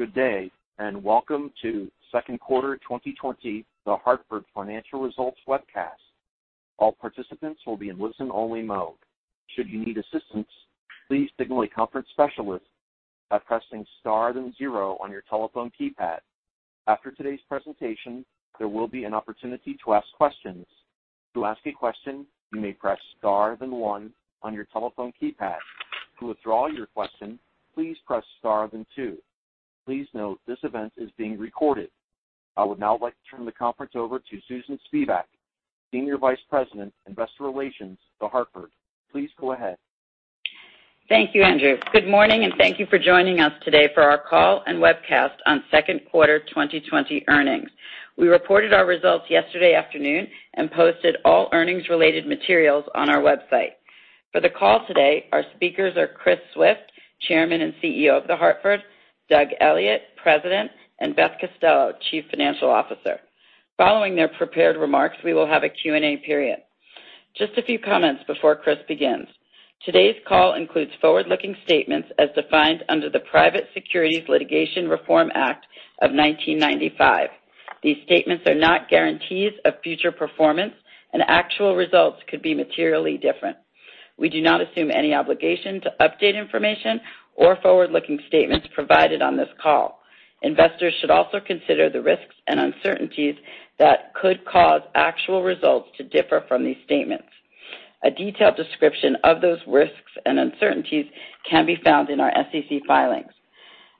Good day, and welcome to second quarter 2020, The Hartford Financial Results Webcast. All participants will be in listen-only mode. Should you need assistance, please signal a conference specialist by pressing star, then zero on your telephone keypad. After today's presentation, there will be an opportunity to ask questions. To ask a question, you may press star, then one on your telephone keypad. To withdraw your question, please press star, then two. Please note, this event is being recorded. I would now like to turn the conference over to Susan Spivak, Senior Vice President, Investor Relations, The Hartford. Please go ahead. Thank you, Andrew. Good morning, and thank you for joining us today for our call and webcast on second quarter 2020 earnings. We reported our results yesterday afternoon and posted all earnings-related materials on our website. For the call today, our speakers are Chris Swift, Chairman and CEO of The Hartford, Doug Elliott, President, and Beth Costello, Chief Financial Officer. Following their prepared remarks, we will have a Q&A period. Just a few comments before Chris begins. Today's call includes forward-looking statements as defined under the Private Securities Litigation Reform Act of 1995. These statements are not guarantees of future performance, and actual results could be materially different. We do not assume any obligation to update information or forward-looking statements provided on this call. Investors should also consider the risks and uncertainties that could cause actual results to differ from these statements. A detailed description of those risks and uncertainties can be found in our SEC filings.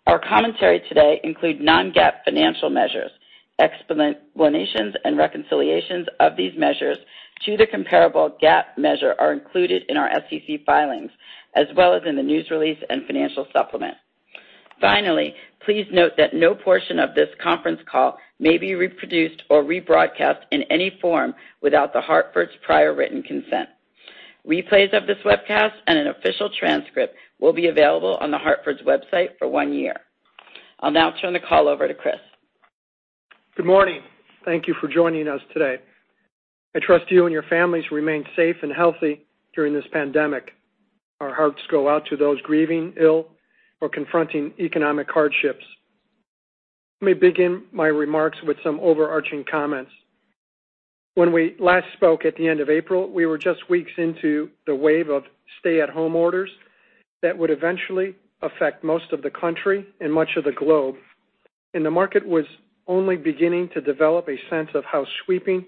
Our commentary today include non-GAAP financial measures. Explanations and reconciliations of these measures to the comparable GAAP measure are included in our SEC filings, as well as in the news release and financial supplement. Finally, please note that no portion of this conference call may be reproduced or rebroadcast in any form without The Hartford's prior written consent. Replays of this webcast and an official transcript will be available on The Hartford's website for one year. I'll now turn the call over to Chris. Good morning. Thank you for joining us today. I trust you and your families remain safe and healthy during this pandemic. Our hearts go out to those grieving, ill, or confronting economic hardships. Let me begin my remarks with some overarching comments. When we last spoke at the end of April, we were just weeks into the wave of stay-at-home orders that would eventually affect most of the country and much of the globe, and the market was only beginning to develop a sense of how sweeping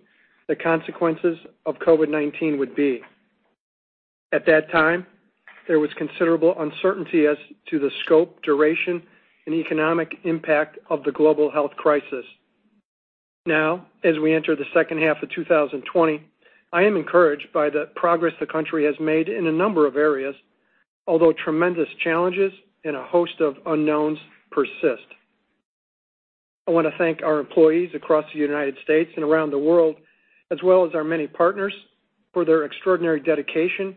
the consequences of COVID-19 would be. At that time, there was considerable uncertainty as to the scope, duration, and economic impact of the global health crisis. Now, as we enter the second half of 2020, I am encouraged by the progress the country has made in a number of areas, although tremendous challenges and a host of unknowns persist. I want to thank our employees across the United States and around the world, as well as our many partners, for their extraordinary dedication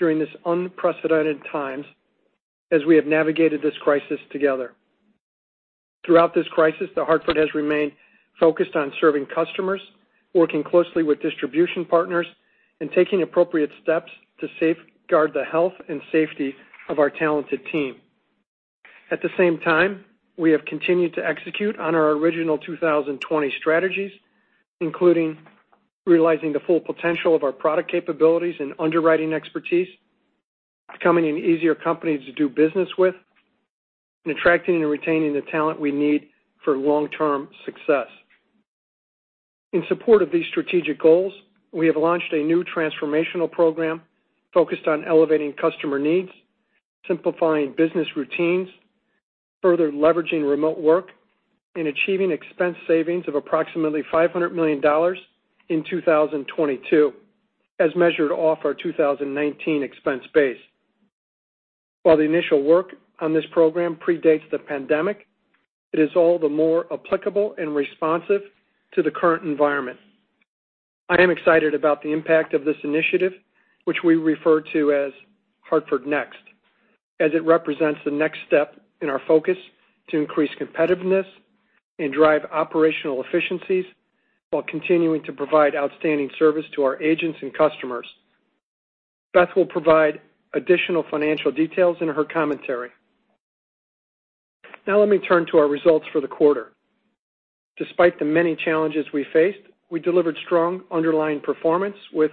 during this unprecedented time as we have navigated this crisis together. Throughout this crisis, The Hartford has remained focused on serving customers, working closely with distribution partners, and taking appropriate steps to safeguard the health and safety of our talented team. At the same time, we have continued to execute on our original 2020 strategies, including realizing the full potential of our product capabilities and underwriting expertise, becoming an easier company to do business with, and attracting and retaining the talent we need for long-term success. In support of these strategic goals, we have launched a new transformational program focused on elevating customer needs, simplifying business routines, further leveraging remote work, and achieving expense savings of approximately $500 million in 2022, as measured off our 2019 expense base. While the initial work on this program predates the pandemic, it is all the more applicable and responsive to the current environment. I am excited about the impact of this initiative, which we refer to as Hartford Next, as it represents the next step in our focus to increase competitiveness and drive operational efficiencies while continuing to provide outstanding service to our agents and customers. Beth will provide additional financial details in her commentary. Now, let me turn to our results for the quarter. Despite the many challenges we faced, we delivered strong underlying performance with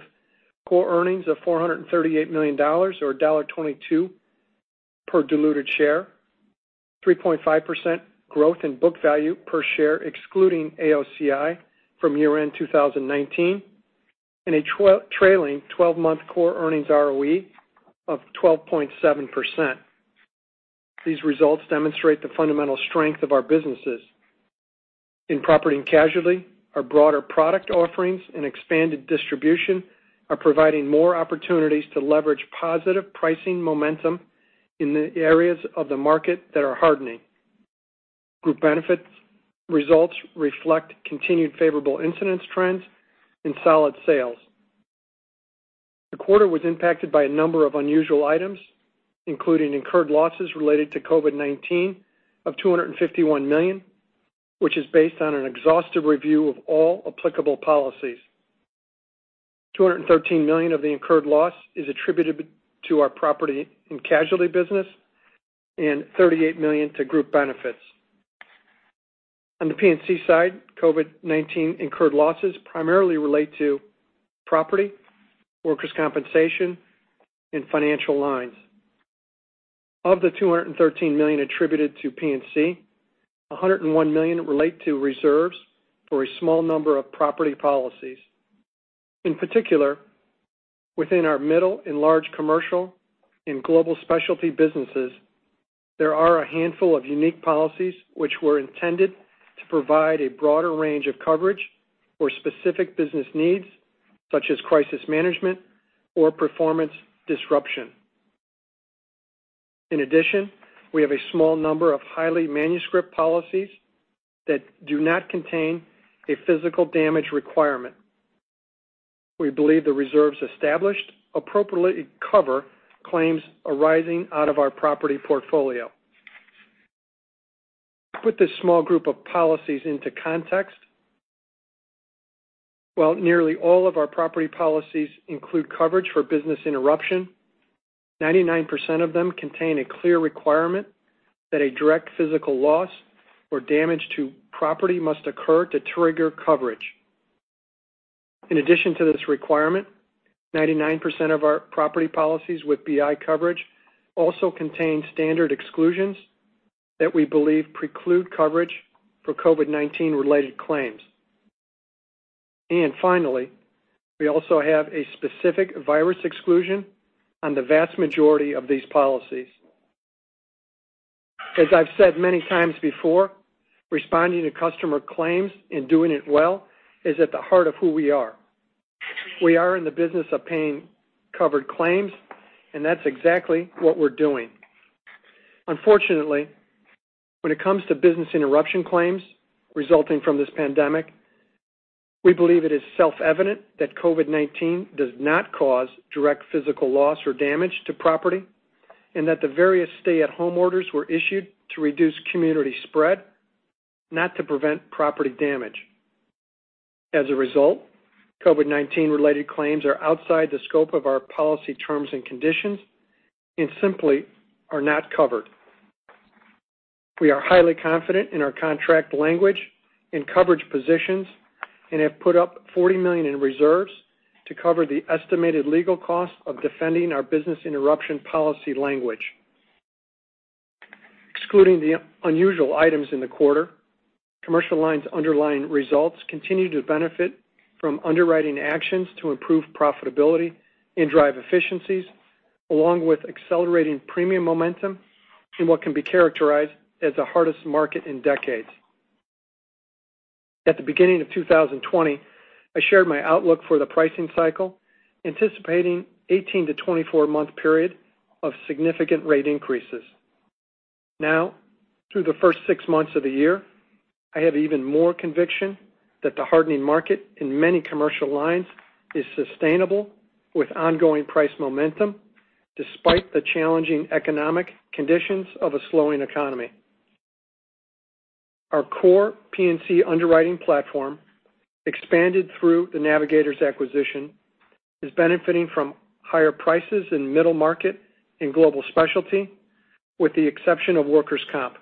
core earnings of $438 million, or $1.22 per diluted share, 3.5% growth in book value per share, excluding AOCI from year-end 2019, and a trailing twelve-month core earnings ROE of 12.7%. These results demonstrate the fundamental strength of our businesses. In Property and Casualty, our broader product offerings and expanded distribution are providing more opportunities to leverage positive pricing momentum in the areas of the market that are hardening. Group benefits results reflect continued favorable incidence trends and solid sales. The quarter was impacted by a number of unusual items, including incurred losses related to COVID-19 of $251 million, which is based on an exhaustive review of all applicable policies. $213 million of the incurred loss is attributed to our Property and Casualty business, and $38 million to group benefits. On the P&C side, COVID-19 incurred losses primarily relate to property, workers' compensation, and financial lines. Of the $213 million attributed to P&C, $101 million relate to reserves for a small number of property policies. In particular, within our Middle and Large Commercial and Global Specialty businesses, there are a handful of unique policies which were intended to provide a broader range of coverage for specific business needs, such as crisis management or performance disruption. In addition, we have a small number of highly manuscript policies that do not contain a physical damage requirement. We believe the reserves established appropriately cover claims arising out of our property portfolio. To put this small group of policies into context, while nearly all of our property policies include coverage for business interruption, 99% of them contain a clear requirement that a direct physical loss or damage to property must occur to trigger coverage. In addition to this requirement, 99% of our property policies with BI coverage also contain standard exclusions that we believe preclude coverage for COVID-19-related claims, and finally, we also have a specific virus exclusion on the vast majority of these policies. As I've said many times before, responding to customer claims and doing it well is at the heart of who we are. We are in the business of paying covered claims, and that's exactly what we're doing. Unfortunately, when it comes to business interruption claims resulting from this pandemic, we believe it is self-evident that COVID-19 does not cause direct physical loss or damage to property, and that the various stay-at-home orders were issued to reduce community spread, not to prevent property damage. As a result, COVID-19-related claims are outside the scope of our policy terms and conditions and simply are not covered. We are highly confident in our contract language and coverage positions and have put up $40 million in reserves to cover the estimated legal costs of defending our business interruption policy language. Excluding the unusual items in the quarter, commercial lines' underlying results continue to benefit from underwriting actions to improve profitability and drive efficiencies, along with accelerating premium momentum in what can be characterized as the hardest market in decades. At the beginning of 2020, I shared my outlook for the pricing cycle, anticipating 18- to 24-month period of significant rate increases. Now, through the first six months of the year, I have even more conviction that the hardening market in many commercial lines is sustainable, with ongoing price momentum despite the challenging economic conditions of a slowing economy. Our core P&C underwriting platform, expanded through the Navigators acquisition, is benefiting from higher prices in middle market and Global Specialty, with the exception of workers' comp.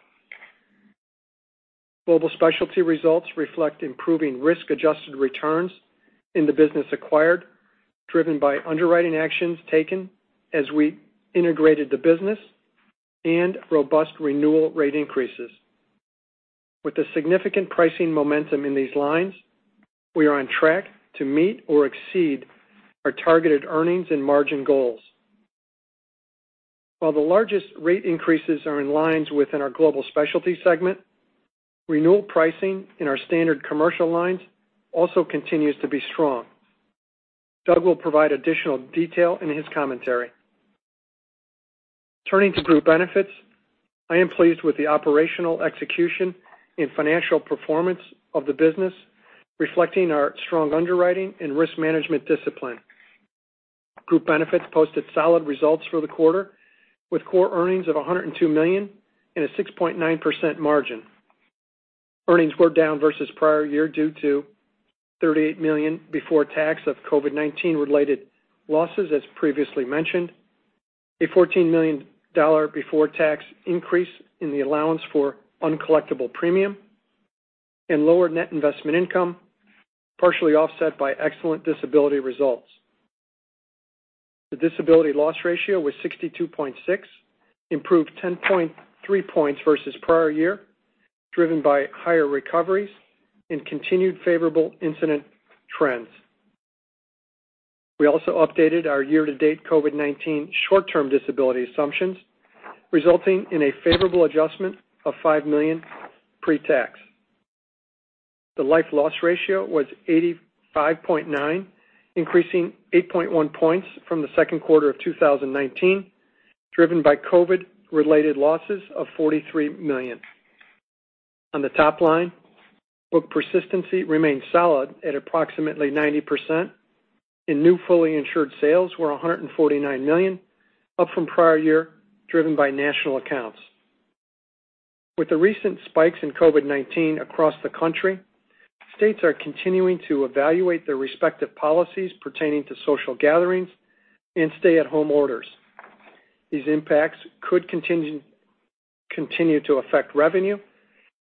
Global specialty results reflect improving risk-adjusted returns in the business acquired, driven by underwriting actions taken as we integrated the business and robust renewal rate increases. With the significant pricing momentum in these lines, we are on track to meet or exceed our targeted earnings and margin goals. While the largest rate increases are in lines within our Global Specialty segment, renewal pricing in our standard commercial lines also continues to be strong. Doug will provide additional detail in his commentary. Turning to group benefits, I am pleased with the operational execution and financial performance of the business, reflecting our strong underwriting and risk management discipline. Group Benefits posted solid results for the quarter, with core earnings of $102 million and a 6.9% margin. Earnings were down versus prior year due to $38 million before-tax of COVID-19-related losses, as previously mentioned, a $14 million before-tax increase in the allowance for uncollectible premium, and lower net investment income, partially offset by excellent disability results. The disability loss ratio was 62.6%, improved 10.3 points versus prior year, driven by higher recoveries and continued favorable incident trends. We also updated our year-to-date COVID-19 short-term disability assumptions, resulting in a favorable adjustment of $5 million pre-tax. The life loss ratio was 85.9%, increasing 8.1 points from the second quarter of 2019, driven by COVID-related losses of $43 million. On the top line, book persistency remained solid at approximately 90%, and new fully insured sales were $149 million, up from prior year, driven by national accounts. With the recent spikes in COVID-19 across the country, states are continuing to evaluate their respective policies pertaining to social gatherings and stay-at-home orders. These impacts could continue to affect revenue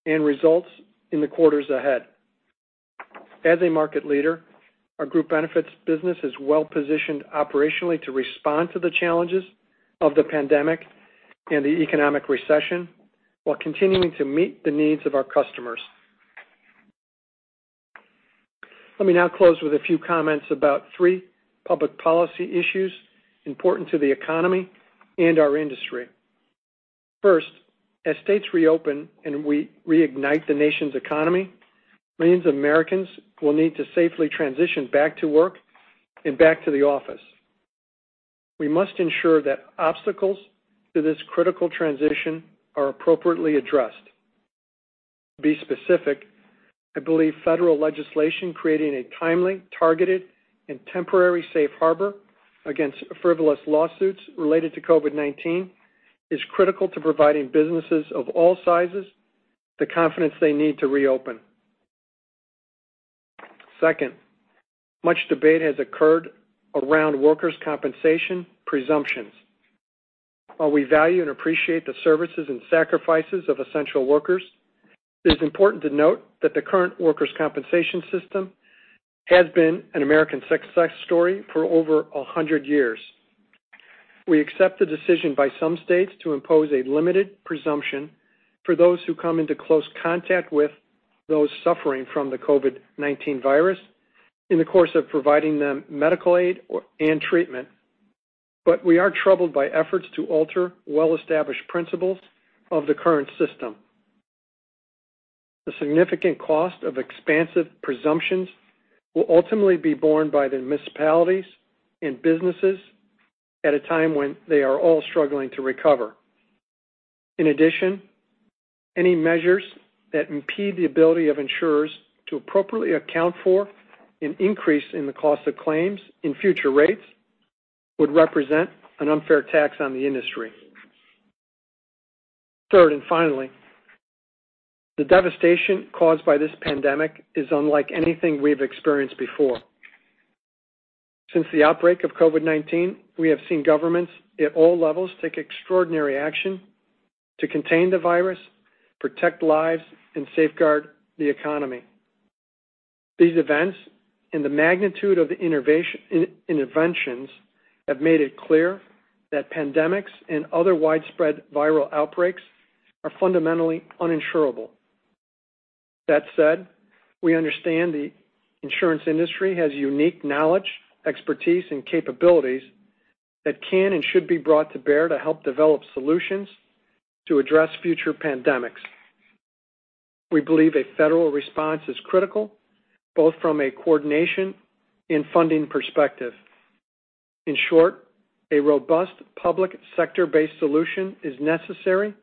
and results in the quarters ahead. As a market leader, our group benefits business is well-positioned operationally to respond to the challenges of the pandemic and the economic recession, while continuing to meet the needs of our customers. Let me now close with a few comments about three public policy issues important to the economy and our industry. First, as states reopen and we reignite the nation's economy, millions of Americans will need to safely transition back to work and back to the office. We must ensure that obstacles to this critical transition are appropriately addressed. To be specific, I believe federal legislation creating a timely, targeted, and temporary safe harbor against frivolous lawsuits related to COVID-19 is critical to providing businesses of all sizes the confidence they need to reopen. Second, much debate has occurred around workers' compensation presumptions. While we value and appreciate the services and sacrifices of essential workers, it is important to note that the current workers' compensation system has been an American success story for over a hundred years. We accept the decision by some states to impose a limited presumption for those who come into close contact with those suffering from the COVID-19 virus in the course of providing them medical aid or, and treatment. But we are troubled by efforts to alter well-established principles of the current system. The significant cost of expansive presumptions will ultimately be borne by the municipalities and businesses at a time when they are all struggling to recover. In addition, any measures that impede the ability of insurers to appropriately account for an increase in the cost of claims in future rates would represent an unfair tax on the industry. Third, and finally, the devastation caused by this pandemic is unlike anything we've experienced before. Since the outbreak of COVID-19, we have seen governments at all levels take extraordinary action to contain the virus, protect lives, and safeguard the economy. These events and the magnitude of the innovation in interventions have made it clear that pandemics and other widespread viral outbreaks are fundamentally uninsurable. That said, we understand the insurance industry has unique knowledge, expertise, and capabilities that can and should be brought to bear to help develop solutions to address future pandemics. We believe a federal response is critical, both from a coordination and funding perspective. In short, a robust public sector-based solution is necessary,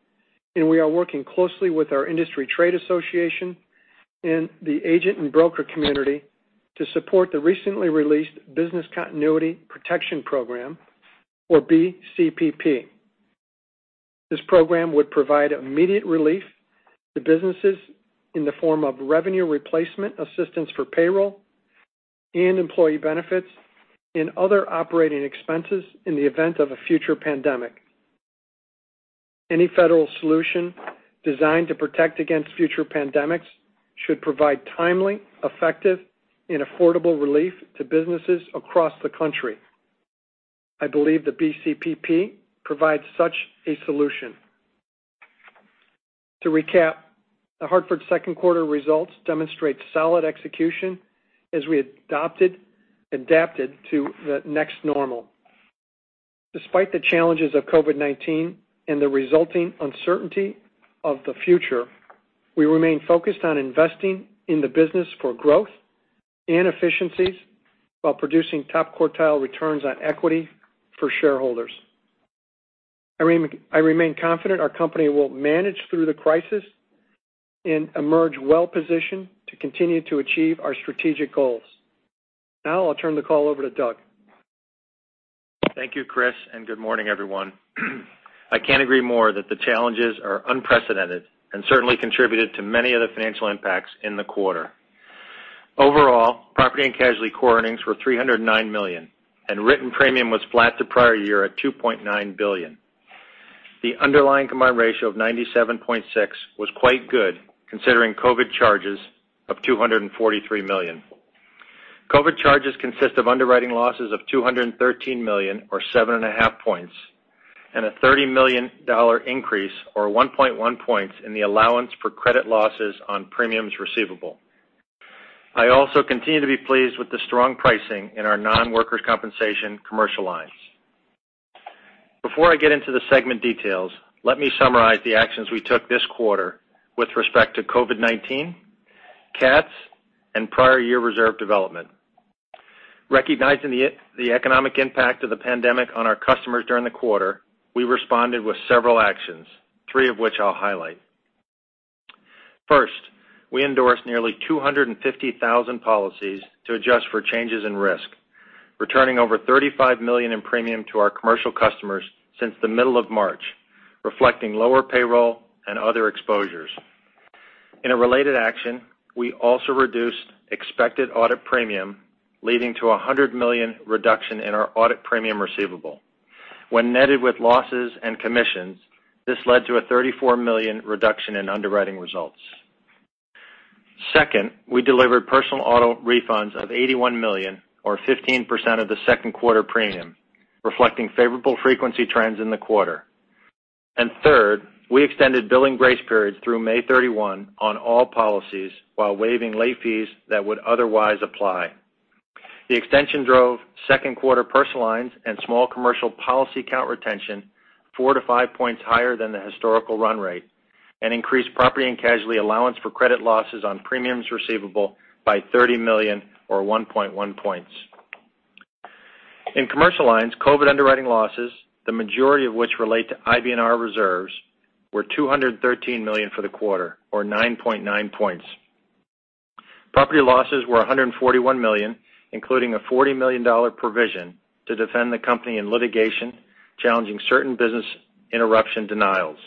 and we are working closely with our industry trade association and the agent and broker community to support the recently released Business Continuity Protection Program, or BCPP. This program would provide immediate relief to businesses in the form of revenue replacement, assistance for payroll and employee benefits, and other operating expenses in the event of a future pandemic. Any federal solution designed to protect against future pandemics should provide timely, effective, and affordable relief to businesses across the country. I believe the BCPP provides such a solution. To recap, The Hartford's second quarter results demonstrate solid execution as we adapted to the next normal. Despite the challenges of COVID-19 and the resulting uncertainty of the future, we remain focused on investing in the business for growth and efficiencies while producing top-quartile returns on equity for shareholders. I remain confident our company will manage through the crisis and emerge well-positioned to continue to achieve our strategic goals. Now I'll turn the call over to Doug. Thank you, Chris, and good morning, everyone. I can't agree more that the challenges are unprecedented and certainly contributed to many of the financial impacts in the quarter. Overall, Property and Casualty core earnings were $309 million, and written premium was flat to prior year at $2.9 billion. The underlying combined ratio of 97.6% was quite good, considering COVID charges of $243 million. COVID charges consist of underwriting losses of $213 million, or 7.5 points, and a $30 million increase, or 1.1 points, in the allowance for credit losses on premiums receivable. I also continue to be pleased with the strong pricing in our non-workers' compensation commercial lines. Before I get into the segment details, let me summarize the actions we took this quarter with respect to COVID-19, CATs, and prior year reserve development. Recognizing the economic impact of the pandemic on our customers during the quarter, we responded with several actions, three of which I'll highlight. First, we endorsed nearly 250,000 policies to adjust for changes in risk, returning over $35 million in premium to our commercial customers since the middle of March, reflecting lower payroll and other exposures. In a related action, we also reduced expected audit premium, leading to a $100 million reduction in our audit premium receivable. When netted with losses and commissions, this led to a $34 million reduction in underwriting results. Second, we delivered personal auto refunds of $81 million, or 15% of the second quarter premium, reflecting favorable frequency trends in the quarter. And third, we extended billing grace periods through May 31 on all policies while waiving late fees that would otherwise apply. The extension drove second quarter personal lines and small commercial policy count retention 4-5 points higher than the historical run rate and increased Property and Casualty allowance for credit losses on premiums receivable by $30 million or 1.1 points. In commercial lines, COVID underwriting losses, the majority of which relate to IBNR reserves, were $213 million for the quarter, or 9.9 points. Property losses were $141 million, including a $40 million provision to defend the company in litigation challenging certain business interruption denials.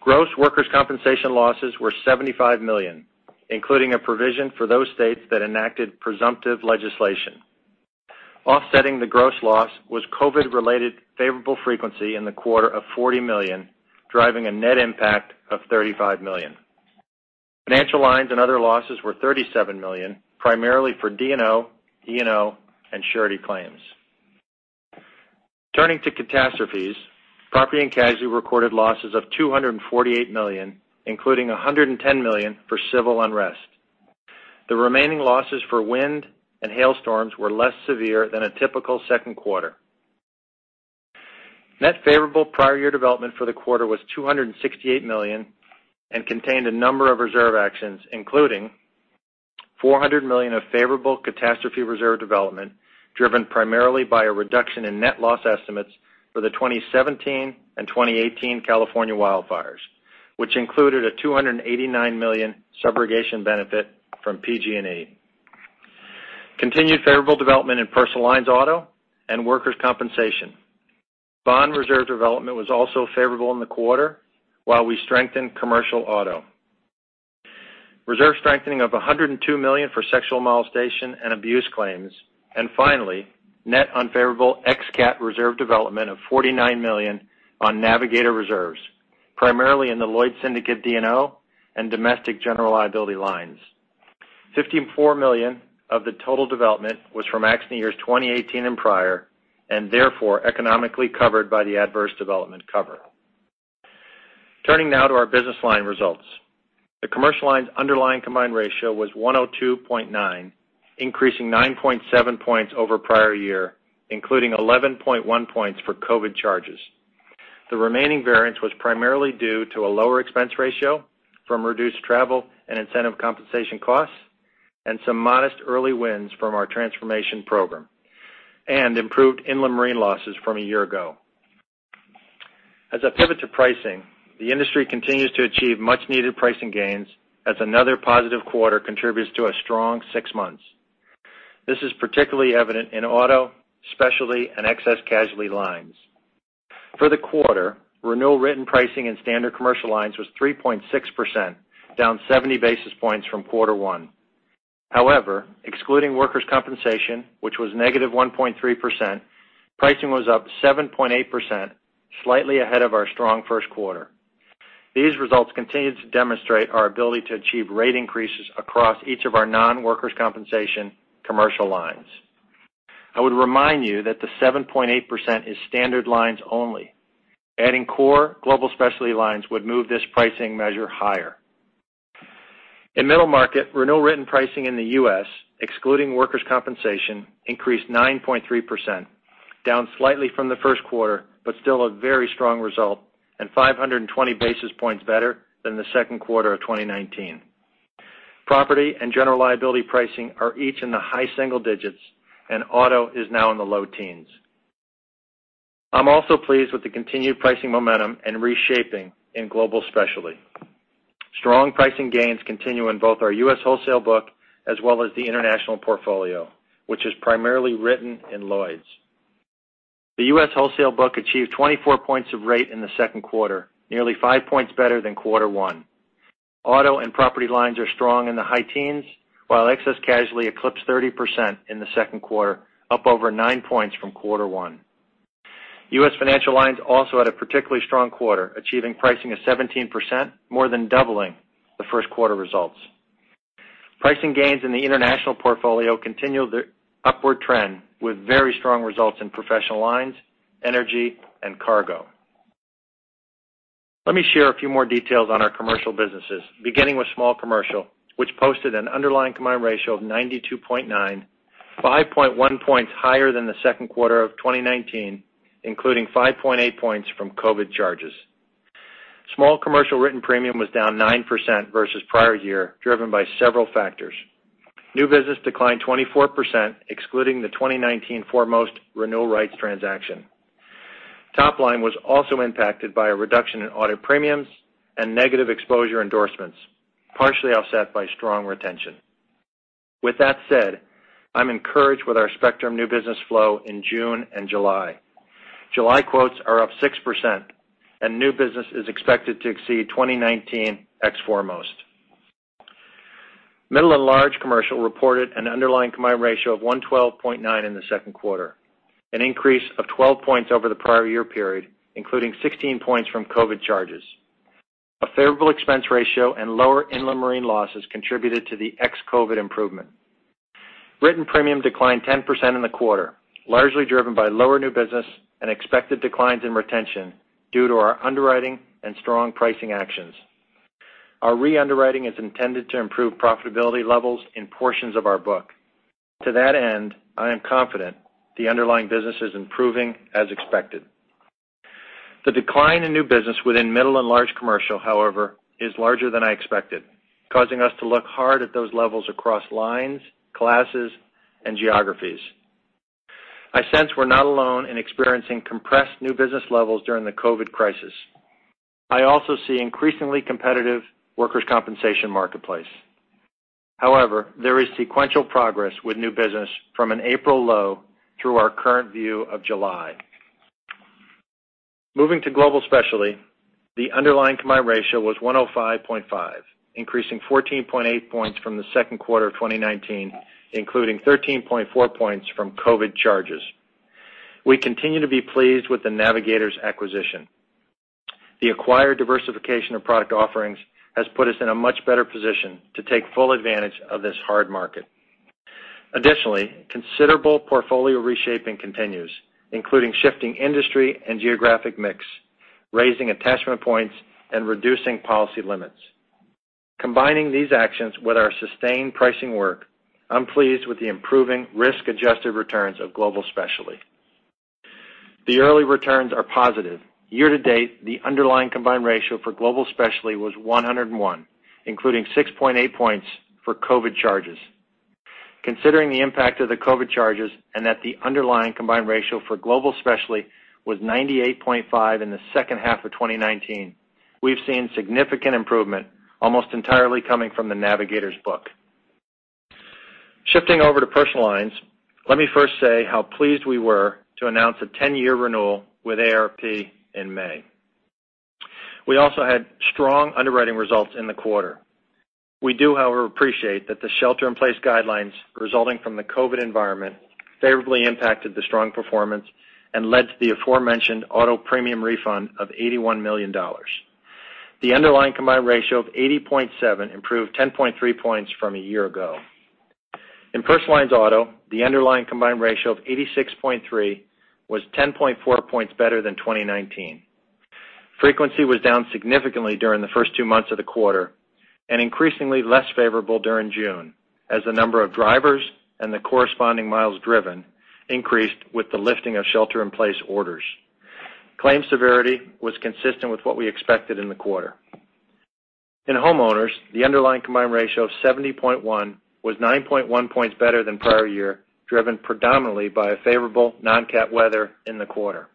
Gross workers' compensation losses were $75 million, including a provision for those states that enacted presumptive legislation. Offsetting the gross loss was COVID-related favorable frequency in the quarter of $40 million, driving a net impact of $35 million. Financial lines and other losses were $37 million, primarily for D&O, E&O, and surety claims. Turning to catastrophes, Property and Casualty recorded losses of $248 million, including $110 million for civil unrest. The remaining losses for wind and hailstorms were less severe than a typical second quarter. Net favorable prior year development for the quarter was $268 million and contained a number of reserve actions, including $400 million of favorable catastrophe reserve development, driven primarily by a reduction in net loss estimates for the 2017 and 2018 California wildfires, which included a $289 million subrogation benefit from PG&E. Continued favorable development in personal lines auto and workers' compensation. Bond reserve development was also favorable in the quarter, while we strengthened commercial auto. Reserve strengthening of $102 million for sexual molestation and abuse claims, and finally, net unfavorable ex cat reserve development of $49 million on Navigators reserves, primarily in the Lloyd's Syndicate D&O and domestic general liability lines. $54 million of the total development was from accident years 2018 and prior, and therefore economically covered by the adverse development cover. Turning now to our business line results. The commercial lines underlying combined ratio was 102.9, increasing 9.7 points over prior year, including 11.1 points for COVID charges. The remaining variance was primarily due to a lower expense ratio from reduced travel and incentive compensation costs, and some modest early wins from our transformation program, and improved inland marine losses from a year ago. As I pivot to pricing, the industry continues to achieve much-needed pricing gains as another positive quarter contributes to a strong six months. This is particularly evident in auto, specialty, and excess casualty lines. For the quarter, renewal written pricing in standard commercial lines was 3.6%, down 70 basis points from quarter one. However, excluding workers' compensation, which was negative 1.3%, pricing was up 7.8%, slightly ahead of our strong first quarter. These results continue to demonstrate our ability to achieve rate increases across each of our non-workers' compensation commercial lines. I would remind you that the 7.8% is standard lines only. Adding core Global Specialty lines would move this pricing measure higher. In middle market, renewal written pricing in the U.S., excluding workers' compensation, increased 9.3%, down slightly from the first quarter, but still a very strong result, and 520 basis points better than the second quarter of 2019. Property and general liability pricing are each in the high single digits, and auto is now in the low teens. I'm also pleased with the continued pricing momentum and reshaping in Global Specialty. Strong pricing gains continue in both our U.S. wholesale book as well as the international portfolio, which is primarily written in Lloyd's. The U.S. wholesale book achieved 24 points of rate in the second quarter, nearly five points better than quarter one. Auto and property lines are strong in the high teens, while excess casualty eclipsed 30% in the second quarter, up over nine points from quarter one. U.S. financial lines also had a particularly strong quarter, achieving pricing of 17%, more than doubling the first quarter results. Pricing gains in the international portfolio continued the upward trend with very strong results in professional lines, energy, and cargo. Let me share a few more details on our commercial businesses, beginning with small commercial, which posted an underlying combined ratio of 92.9, 5.1 points higher than the second quarter of 2019, including 5.8 points from COVID charges. Small commercial written premium was down 9% versus prior year, driven by several factors. New business declined 24%, excluding the 2019 Foremost renewal rights transaction. Top line was also impacted by a reduction in audit premiums and negative exposure endorsements, partially offset by strong retention. With that said, I'm encouraged with our Spectrum new business flow in June and July. July quotes are up 6%, and new business is expected to exceed 2019 ex-Foremost. Middle and Large Commercial reported an underlying combined ratio of 112.9 in the second quarter, an increase of 12 points over the prior year period, including 16 points from COVID charges. A favorable expense ratio and lower inland marine losses contributed to the ex-COVID improvement. Written premium declined 10% in the quarter, largely driven by lower new business and expected declines in retention due to our underwriting and strong pricing actions. Our re-underwriting is intended to improve profitability levels in portions of our book. To that end, I am confident the underlying business is improving as expected. The decline in new business within Middle and Large Commercial, however, is larger than I expected, causing us to look hard at those levels across lines, classes, and geographies. I sense we're not alone in experiencing compressed new business levels during the COVID crisis. I also see increasingly competitive workers' compensation marketplace. However, there is sequential progress with new business from an April low through our current view of July. Moving to Global Specialty, the underlying combined ratio was 105.5, increasing 14.8 points from the second quarter of 2019, including 13.4 points from COVID charges. We continue to be pleased with the Navigators' acquisition. The acquired diversification of product offerings has put us in a much better position to take full advantage of this hard market. Additionally, considerable portfolio reshaping continues, including shifting industry and geographic mix, raising attachment points, and reducing policy limits. Combining these actions with our sustained pricing work, I'm pleased with the improving risk-adjusted returns of Global Specialty. The early returns are positive. Year to date, the underlying combined ratio for Global Specialty was 101, including 6.8 points for COVID charges. Considering the impact of the COVID charges and that the underlying combined ratio for Global Specialty was 98.5 in the second half of 2019, we've seen significant improvement, almost entirely coming from the Navigators' book. Shifting over to personal lines, let me first say how pleased we were to announce a 10-year renewal with AARP in May. We also had strong underwriting results in the quarter. We do, however, appreciate that the shelter-in-place guidelines resulting from the COVID environment favorably impacted the strong performance and led to the aforementioned auto premium refund of $81 million. The underlying combined ratio of 80.7 improved 10.3 points from a year ago. In personal lines auto, the underlying combined ratio of 86.3 was 10.4 points better than 2019. Frequency was down significantly during the first two months of the quarter and increasingly less favorable during June, as the number of drivers and the corresponding miles driven increased with the lifting of shelter-in-place orders. Claim severity was consistent with what we expected in the quarter. In homeowners, the underlying combined ratio of 70.1 was 9.1 points better than prior year, driven predominantly by a favorable non-cat weather in the quarter.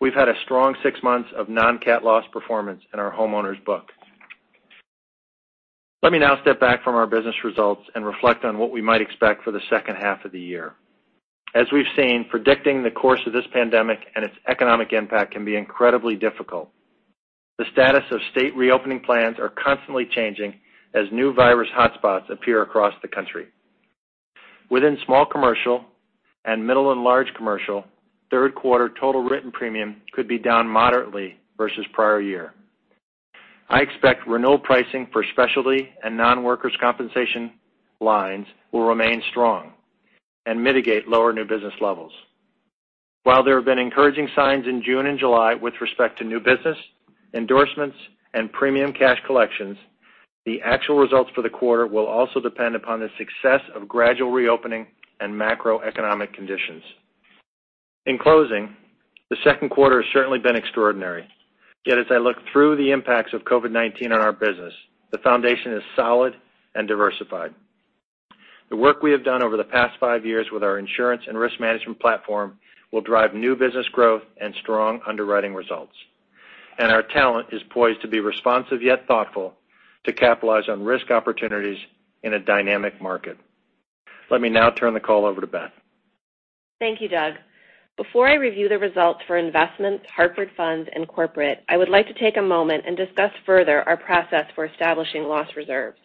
We've had a strong six months of non-cat loss performance in our homeowners book. Let me now step back from our business results and reflect on what we might expect for the second half of the year. As we've seen, predicting the course of this pandemic and its economic impact can be incredibly difficult. The status of state reopening plans are constantly changing as new virus hotspots appear across the country. Within Small Commercial and Middle and Large commercial, third quarter total written premium could be down moderately versus prior year. I expect renewal pricing for specialty and non-workers' compensation lines will remain strong and mitigate lower new business levels. While there have been encouraging signs in June and July with respect to new business, endorsements, and premium cash collections, the actual results for the quarter will also depend upon the success of gradual reopening and macroeconomic conditions. In closing, the second quarter has certainly been extraordinary. Yet as I look through the impacts of COVID-19 on our business, the foundation is solid and diversified. The work we have done over the past five years with our insurance and risk management platform will drive new business growth and strong underwriting results, and our talent is poised to be responsive, yet thoughtful, to capitalize on risk opportunities in a dynamic market. Let me now turn the call over to Beth. Thank you, Doug. Before I review the results for investments, Hartford Funds, and Corporate, I would like to take a moment and discuss further our process for establishing loss reserves.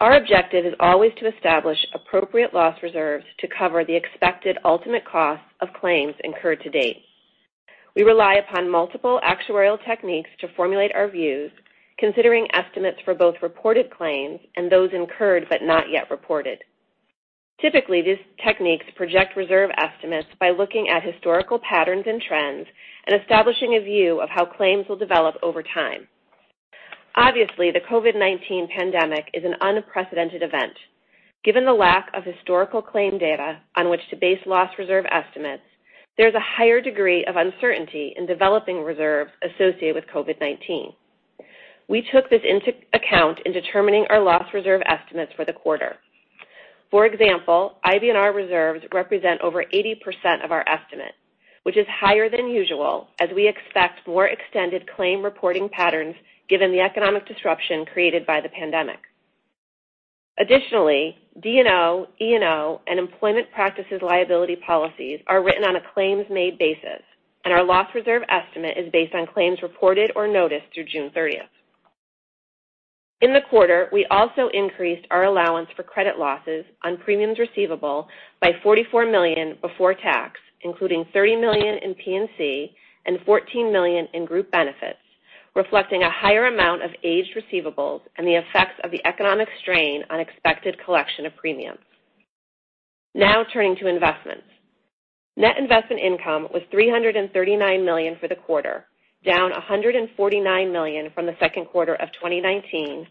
Our objective is always to establish appropriate loss reserves to cover the expected ultimate cost of claims incurred to date. We rely upon multiple actuarial techniques to formulate our views, considering estimates for both reported claims and those incurred but not yet reported. Typically, these techniques project reserve estimates by looking at historical patterns and trends and establishing a view of how claims will develop over time. Obviously, the COVID-19 pandemic is an unprecedented event. Given the lack of historical claim data on which to base loss reserve estimates, there's a higher degree of uncertainty in developing reserves associated with COVID-19. We took this into account in determining our loss reserve estimates for the quarter. For example, IBNR reserves represent over 80% of our estimate, which is higher than usual, as we expect more extended claim reporting patterns given the economic disruption created by the pandemic. Additionally, D&O, E&O, and employment practices liability policies are written on a claims-made basis, and our loss reserve estimate is based on claims reported or noticed through June 30th. In the quarter, we also increased our allowance for credit losses on premiums receivable by $44 million before-tax, including $30 million in P&C and $14 million in group benefits, reflecting a higher amount of aged receivables and the effects of the economic strain on expected collection of premiums. Now turning to investments. Net investment income was $339 million for the quarter, down $149 million from the second quarter of 2019,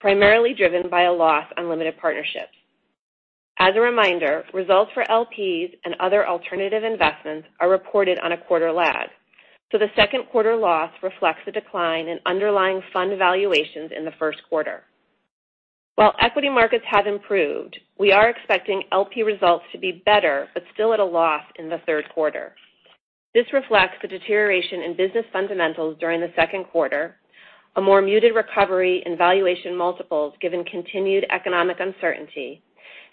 primarily driven by a loss on limited partnerships. As a reminder, results for LPs and other alternative investments are reported on a quarter lag, so the second quarter loss reflects the decline in underlying fund valuations in the first quarter. While equity markets have improved, we are expecting LP results to be better, but still at a loss in the third quarter. This reflects the deterioration in business fundamentals during the second quarter, a more muted recovery in valuation multiples given continued economic uncertainty,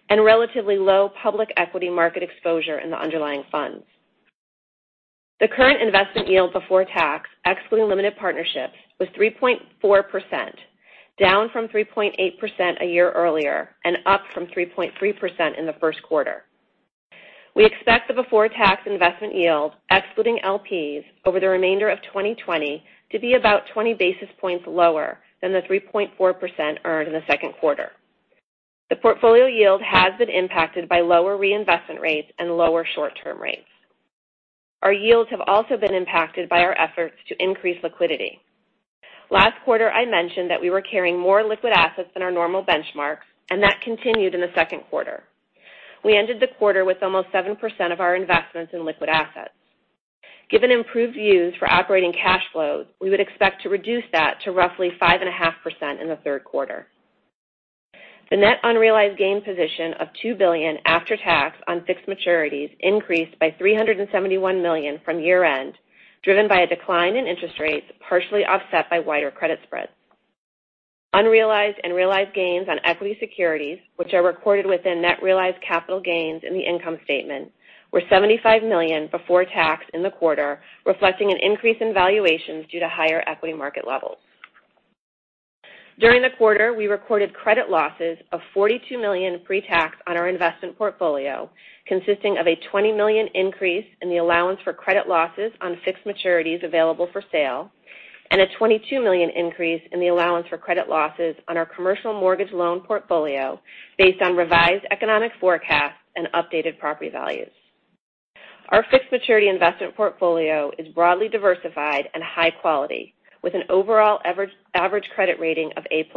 and relatively low public equity market exposure in the underlying funds. The current investment yield before-tax, excluding limited partnerships, was 3.4%, down from 3.8% a year earlier and up from 3.3% in the first quarter. We expect the before-tax investment yield, excluding LPs, over the remainder of 2020, to be about 20 basis points lower than the 3.4% earned in the second quarter. The portfolio yield has been impacted by lower reinvestment rates and lower short-term rates. Our yields have also been impacted by our efforts to increase liquidity. Last quarter, I mentioned that we were carrying more liquid assets than our normal benchmarks, and that continued in the second quarter. We ended the quarter with almost 7% of our investments in liquid assets. Given improved views for operating cash flows, we would expect to reduce that to roughly 5.5% in the third quarter. The net unrealized gain position of $2 billion after tax on fixed maturities increased by $371 million from year-end, driven by a decline in interest rates, partially offset by wider credit spreads. Unrealized and realized gains on equity securities, which are recorded within net realized capital gains in the income statement, were $75 million before-tax in the quarter, reflecting an increase in valuations due to higher equity market levels. During the quarter, we recorded credit losses of $42 million pre-tax on our investment portfolio, consisting of a $20 million increase in the allowance for credit losses on fixed maturities available for sale, and a $22 million increase in the allowance for credit losses on our commercial mortgage loan portfolio based on revised economic forecasts and updated property values. Our fixed maturity investment portfolio is broadly diversified and high quality, with an overall average credit rating of A+.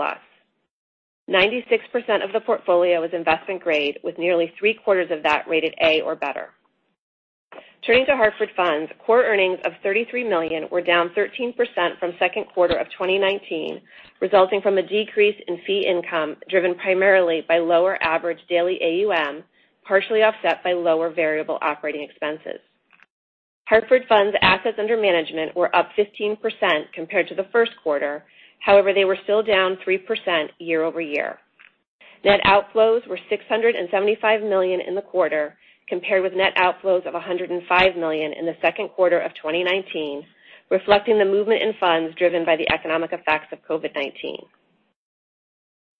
96% of the portfolio is investment grade, with nearly three-quarters of that rated A or better. Turning to Hartford Funds, core earnings of $33 million were down 13% from second quarter of 2019, resulting from a decrease in fee income, driven primarily by lower average daily AUM, partially offset by lower variable operating expenses. Hartford Funds assets under management were up 15% compared to the first quarter. However, they were still down 3% year over year. Net outflows were $675 million in the quarter, compared with net outflows of $105 million in the second quarter of 2019, reflecting the movement in funds driven by the economic effects of COVID-19.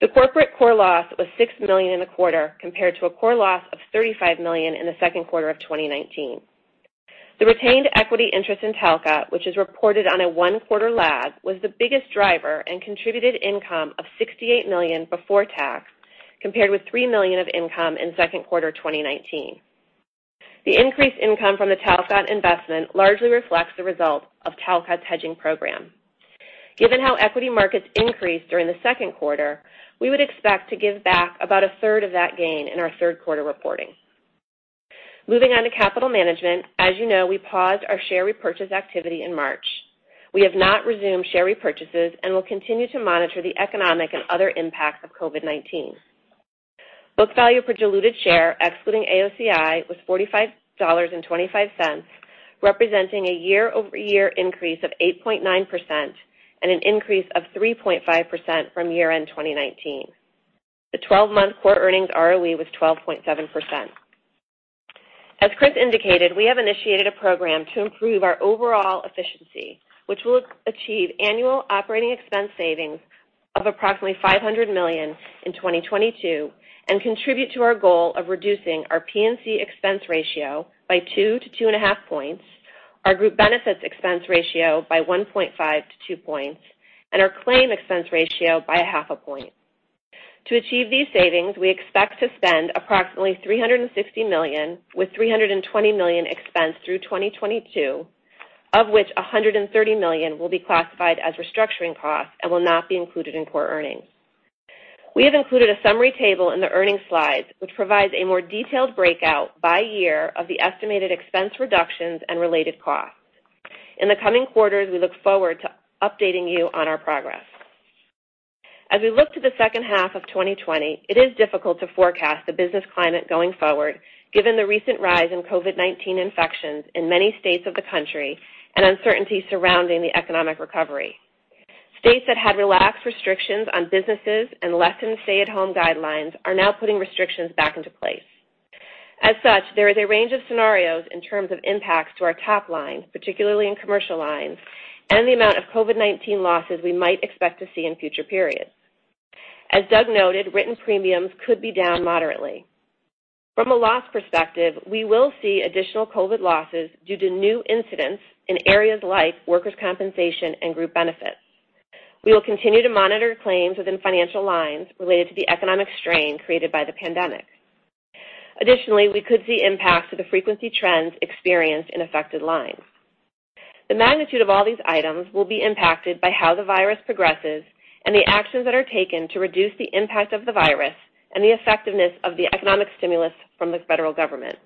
The corporate core loss was $6 million in the quarter, compared to a core loss of $35 million in the second quarter of 2019. The retained equity interest in Talcott, which is reported on a one-quarter lag, was the biggest driver and contributed income of $68 million before-tax, compared with $3 million of income in second quarter 2019. The increased income from the Talcott investment largely reflects the result of Talcott's hedging program. Given how equity markets increased during the second quarter, we would expect to give back about a third of that gain in our third quarter reporting. Moving on to capital management. As you know, we paused our share repurchase activity in March. We have not resumed share repurchases and will continue to monitor the economic and other impacts of COVID-19. Book value per diluted share, excluding AOCI, was $45.25, representing a year-over-year increase of 8.9% and an increase of 3.5% from year-end 2019. The twelve-month core earnings ROE was 12.7%. As Chris indicated, we have initiated a program to improve our overall efficiency, which will achieve annual operating expense savings of approximately $500 million in 2022 and contribute to our goal of reducing our P&C expense ratio by 2-2.5 points, our group benefits expense ratio by 1.5-2 points, and our claim expense ratio by 0.5 point. To achieve these savings, we expect to spend approximately $360 million, with $320 million expensed through 2022, of which $130 million will be classified as restructuring costs and will not be included in core earnings. We have included a summary table in the earnings slides, which provides a more detailed breakout by year of the estimated expense reductions and related costs. In the coming quarters, we look forward to updating you on our progress. As we look to the second half of 2020, it is difficult to forecast the business climate going forward, given the recent rise in COVID-19 infections in many states of the country and uncertainty surrounding the economic recovery. States that had relaxed restrictions on businesses and lessened stay-at-home guidelines are now putting restrictions back into place. As such, there is a range of scenarios in terms of impacts to our top line, particularly in commercial lines, and the amount of COVID-19 losses we might expect to see in future periods. As Doug noted, written premiums could be down moderately. From a loss perspective, we will see additional COVID losses due to new incidents in areas like workers' compensation and group benefits. We will continue to monitor claims within financial lines related to the economic strain created by the pandemic. Additionally, we could see impacts to the frequency trends experienced in affected lines. The magnitude of all these items will be impacted by how the virus progresses and the actions that are taken to reduce the impact of the virus and the effectiveness of the economic stimulus from the federal government.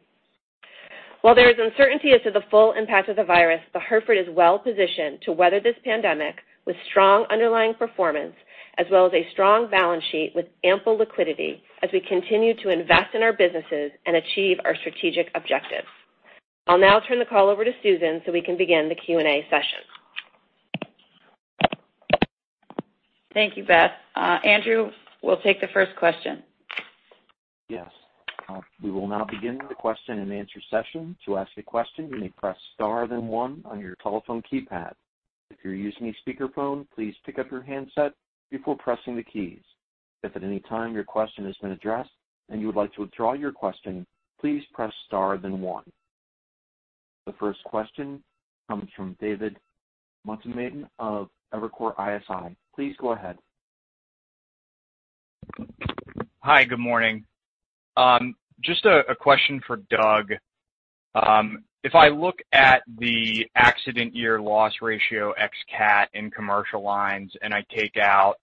While there is uncertainty as to the full impact of the virus, The Hartford is well positioned to weather this pandemic with strong underlying performance, as well as a strong balance sheet with ample liquidity as we continue to invest in our businesses and achieve our strategic objectives. I'll now turn the call over to Susan, so we can begin the Q&A session. Thank you, Beth. Andrew, we'll take the first question. Yes. We will now begin the question-and-answer session. To ask a question, you may press star, then one on your telephone keypad. If you're using a speakerphone, please pick up your handset before pressing the keys. If at any time your question has been addressed and you would like to withdraw your question, please press star, then one. The first question comes from David Motemaden of Evercore ISI. Please go ahead. Hi, good morning. Just a question for Doug. If I look at the accident year loss ratio ex CAT in commercial lines, and I take out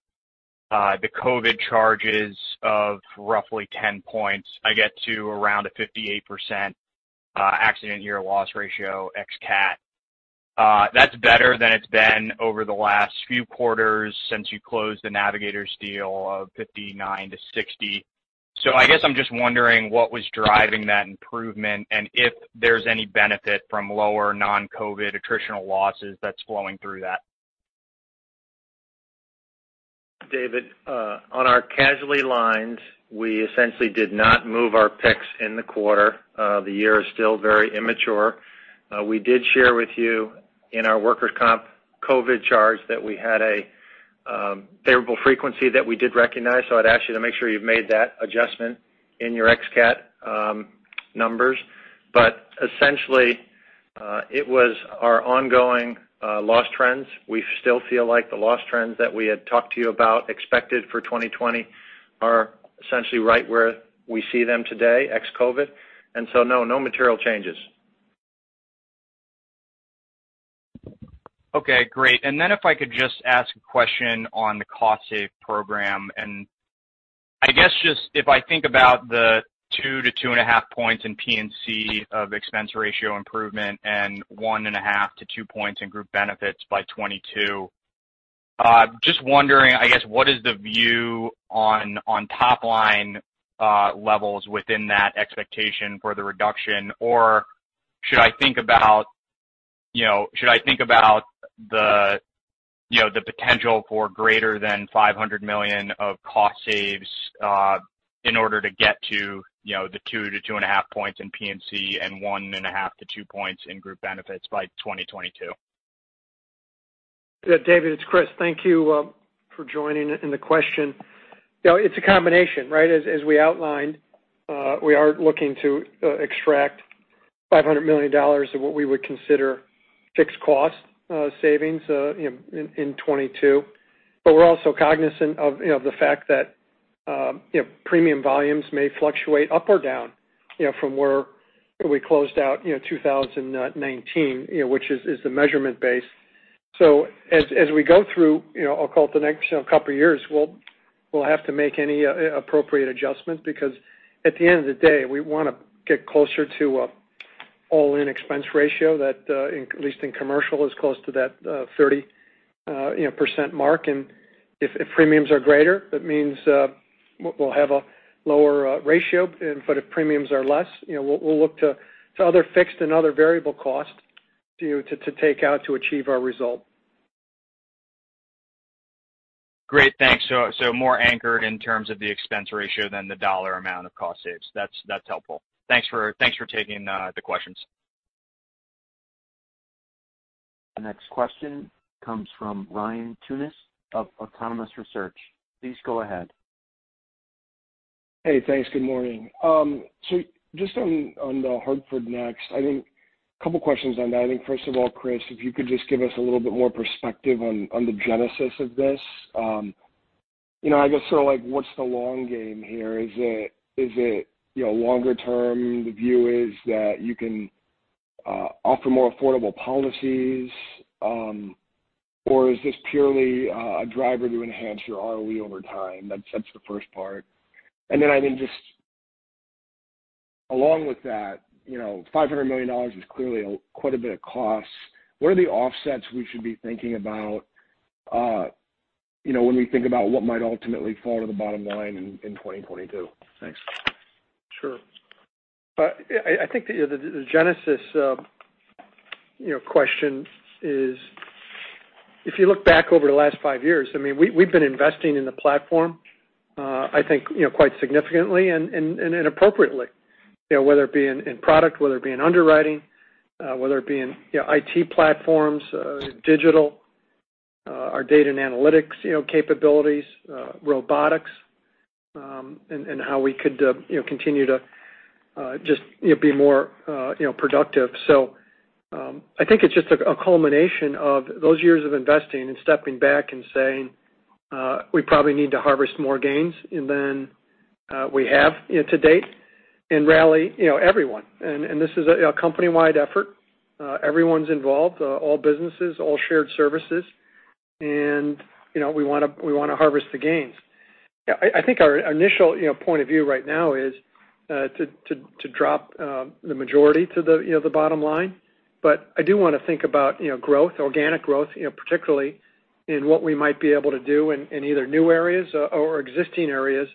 the COVID charges of roughly 10 points, I get to around a 58% accident year loss ratio ex CAT. That's better than it's been over the last few quarters since you closed the Navigators deal of 59%-60%. I guess I'm just wondering what was driving that improvement, and if there's any benefit from lower non-COVID attritional losses that's flowing through that? David, on our casualty lines, we essentially did not move our picks in the quarter. The year is still very immature. We did share with you in our workers' comp COVID charge that we had a variable frequency that we did recognize, so I'd ask you to make sure you've made that adjustment in your ex CAT numbers. But essentially, it was our ongoing loss trends. We still feel like the loss trends that we had talked to you about expected for 2020 are essentially right where we see them today, ex COVID. And so, no, no material changes. Okay, great. And then if I could just ask a question on the cost save program. And I guess, just if I think about the 2-2.5 points in P&C of expense ratio improvement and 1.5-2 points in group benefits by 2022, just wondering, I guess, what is the view on top line levels within that expectation for the reduction? Or should I think about, you know, should I think about the, you know, the potential for greater than $500 million of cost saves, in order to get to, you know, the 2-2.5 points in P&C and 1.5-2 points in group benefits by 2022? Yeah, David, it's Chris. Thank you for joining and the question. You know, it's a combination, right? As we outlined, we are looking to extract $500 million of what we would consider fixed cost savings, you know, in 2022. But we're also cognizant of, you know, the fact that, you know, premium volumes may fluctuate up or down, you know, from where we closed out, you know, 2019, you know, which is the measurement base. So as we go through, you know, I'll call it the next, you know, couple years, we'll have to make any appropriate adjustments. Because at the end of the day, we wanna get closer to an all-in expense ratio that, at least in commercial, is close to that 30% mark. And if premiums are greater, that means we'll have a lower ratio. But if premiums are less, you know, we'll look to other fixed and other variable costs to take out to achieve our result. Great, thanks. So, so more anchored in terms of the expense ratio than the dollar amount of cost saves. That's, that's helpful. Thanks for, thanks for taking the questions. The next question comes from Ryan Tunis of Autonomous Research. Please go ahead. Hey, thanks. Good morning. So just on the Hartford Next, I think couple questions on that. I think first of all, Chris, if you could just give us a little bit more perspective on the genesis of this. You know, I guess sort of like, what's the long game here? Is it, you know, longer term, the view is that you can offer more affordable policies, or is this purely a driver to enhance your ROE over time? That's the first part. And then, I mean, just along with that, you know, $500 million is clearly quite a bit of cost. What are the offsets we should be thinking about, you know, when we think about what might ultimately fall to the bottom line in 2022? Thanks. Sure. I think the genesis, you know, question is, if you look back over the last five years, I mean, we've been investing in the platform, I think, you know, quite significantly and appropriately. You know, whether it be in product, whether it be in underwriting, whether it be in, you know, IT platforms, digital, our data and analytics, you know, capabilities, robotics, and how we could, you know, continue to just, you know, be more productive. So, I think it's just a culmination of those years of investing and stepping back and saying, we probably need to harvest more gains than we have, you know, to date, and rally, you know, everyone. And this is a company-wide effort. Everyone's involved, all businesses, all shared services, and, you know, we wanna harvest the gains. I think our initial, you know, point of view right now is to drop the majority to the, you know, the bottom line. But I do wanna think about, you know, growth, organic growth, you know, particularly in what we might be able to do in either new areas or existing areas,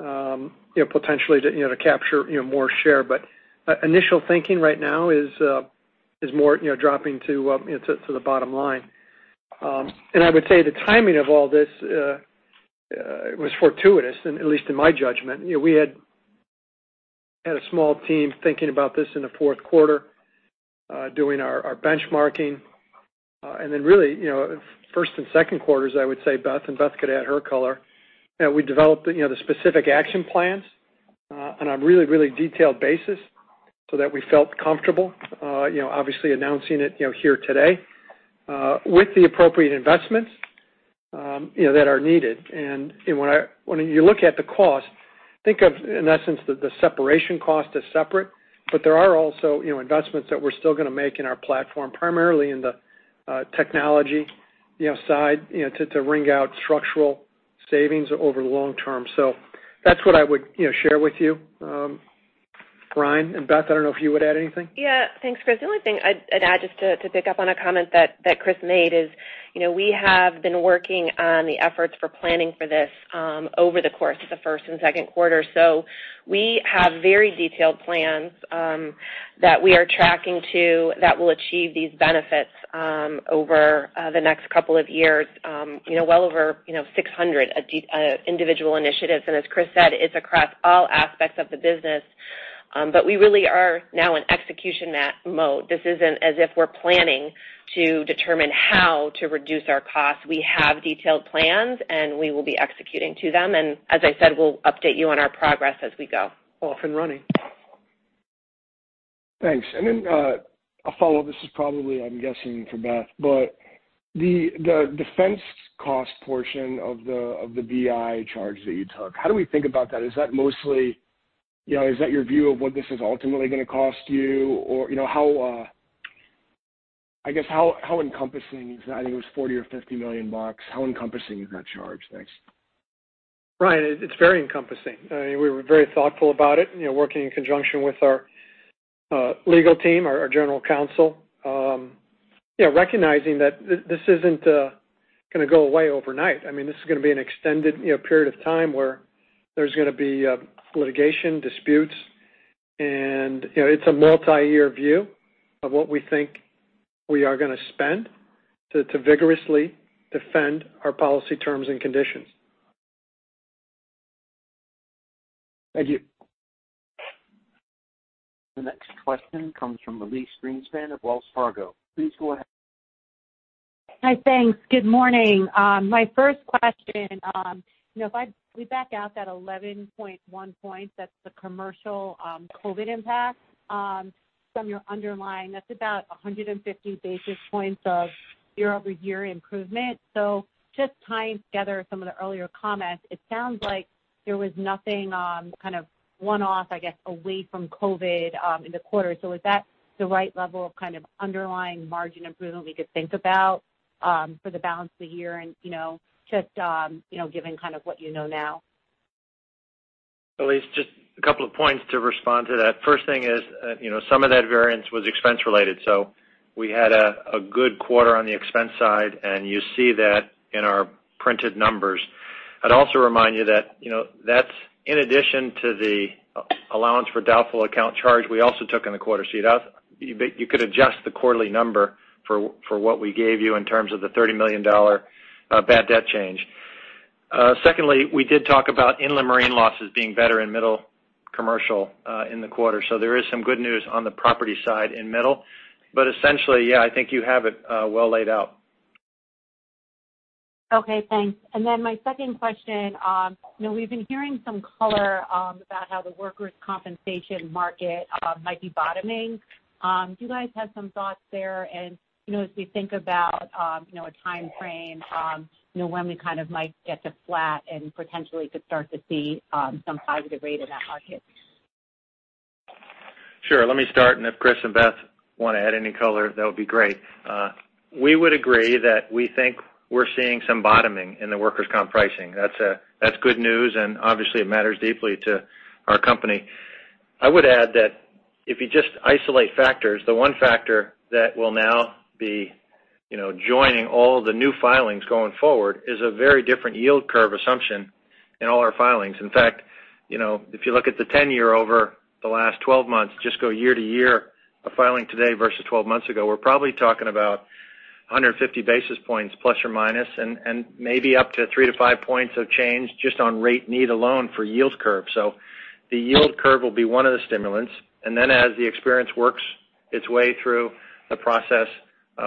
you know, potentially to capture, you know, more share. But initial thinking right now is more, you know, dropping to the bottom line. And I would say the timing of all this was fortuitous, and at least in my judgment. You know, we had a small team thinking about this in the fourth quarter, doing our benchmarking. Then really, you know, first and second quarters, I would say, Beth, and Beth could add her color, you know, we developed, you know, the specific action plans, on a really, really detailed basis so that we felt comfortable, you know, obviously announcing it, you know, here today, with the appropriate investments, you know, that are needed. And when you look at the cost, think of, in essence, the separation cost as separate, but there are also, you know, investments that we're still gonna make in our platform, primarily in the technology, you know, side, you know, to wring out structural savings over the long term. So that's what I would, you know, share with you, Brian, and Beth, I don't know if you would add anything. Yeah. Thanks, Chris. The only thing I'd add, just to pick up on a comment that Chris made, is, you know, we have been working on the efforts for planning for this, over the course of the first and second quarter. So we have very detailed plans, that we are tracking to, that will achieve these benefits, over the next couple of years. You know, well over 600 individual initiatives, and as Chris said, it's across all aspects of the business. But we really are now in execution mode. This isn't as if we're planning to determine how to reduce our costs. We have detailed plans, and we will be executing to them, and as I said, we'll update you on our progress as we go. Off and running. Thanks. And then, a follow-up. This is probably, I'm guessing, for Beth. But the defense cost portion of the BI charge that you took, how do we think about that? Is that mostly... You know, is that your view of what this is ultimately gonna cost you? Or, you know, I guess, how encompassing is that? I think it was $40 million or $50 million. How encompassing is that charge? Thanks. Brian, it's very encompassing. I mean, we were very thoughtful about it, you know, working in conjunction with our legal team, our general counsel. You know, recognizing that this isn't gonna go away overnight. I mean, this is gonna be an extended, you know, period of time, where there's gonna be litigation, disputes, and, you know, it's a multiyear view of what we think we are gonna spend to vigorously defend our policy terms and conditions. Thank you. The next question comes from Elyse Greenspan of Wells Fargo. Please go ahead. Hi, thanks. Good morning. My first question, you know, if we back out that 11.1 points, that's the commercial COVID impact from your underlying, that's about 150 basis points of year-over-year improvement. So just tying together some of the earlier comments, it sounds like there was nothing kind of one-off, I guess, away from COVID in the quarter. So is that the right level of kind of underlying margin improvement we could think about for the balance of the year? And, you know, just, you know, given kind of what you know now. Elyse, just a couple of points to respond to that. First thing is, you know, some of that variance was expense related, so we had a good quarter on the expense side, and you see that in our printed numbers. I'd also remind you that, you know, that's in addition to the allowance for doubtful account charge we also took in the quarter, so you could adjust the quarterly number for what we gave you in terms of the $30 million bad debt change. Secondly, we did talk about inland marine losses being better in middle commercial in the quarter, so there is some good news on the property side in middle. But essentially, yeah, I think you have it well laid out. Okay, thanks. And then my second question, you know, we've been hearing some color about how the workers' compensation market might be bottoming. Do you guys have some thoughts there? And, you know, as we think about, you know, a timeframe, you know, when we kind of might get to flat and potentially could start to see some positive rate in that market?... Sure, let me start, and if Chris and Beth want to add any color, that would be great. We would agree that we think we're seeing some bottoming in the workers' comp pricing. That's good news, and obviously, it matters deeply to our company. I would add that if you just isolate factors, the one factor that will now be, you know, joining all the new filings going forward is a very different yield curve assumption in all our filings. In fact, you know, if you look at the 10-year over the last 12 months, just go year to year, a filing today versus 12 months ago, we're probably talking about ±150 basis points, and maybe up to 3-5 points of change just on rate need alone for yield curve. So the yield curve will be one of the stimulants, and then as the experience works its way through the process,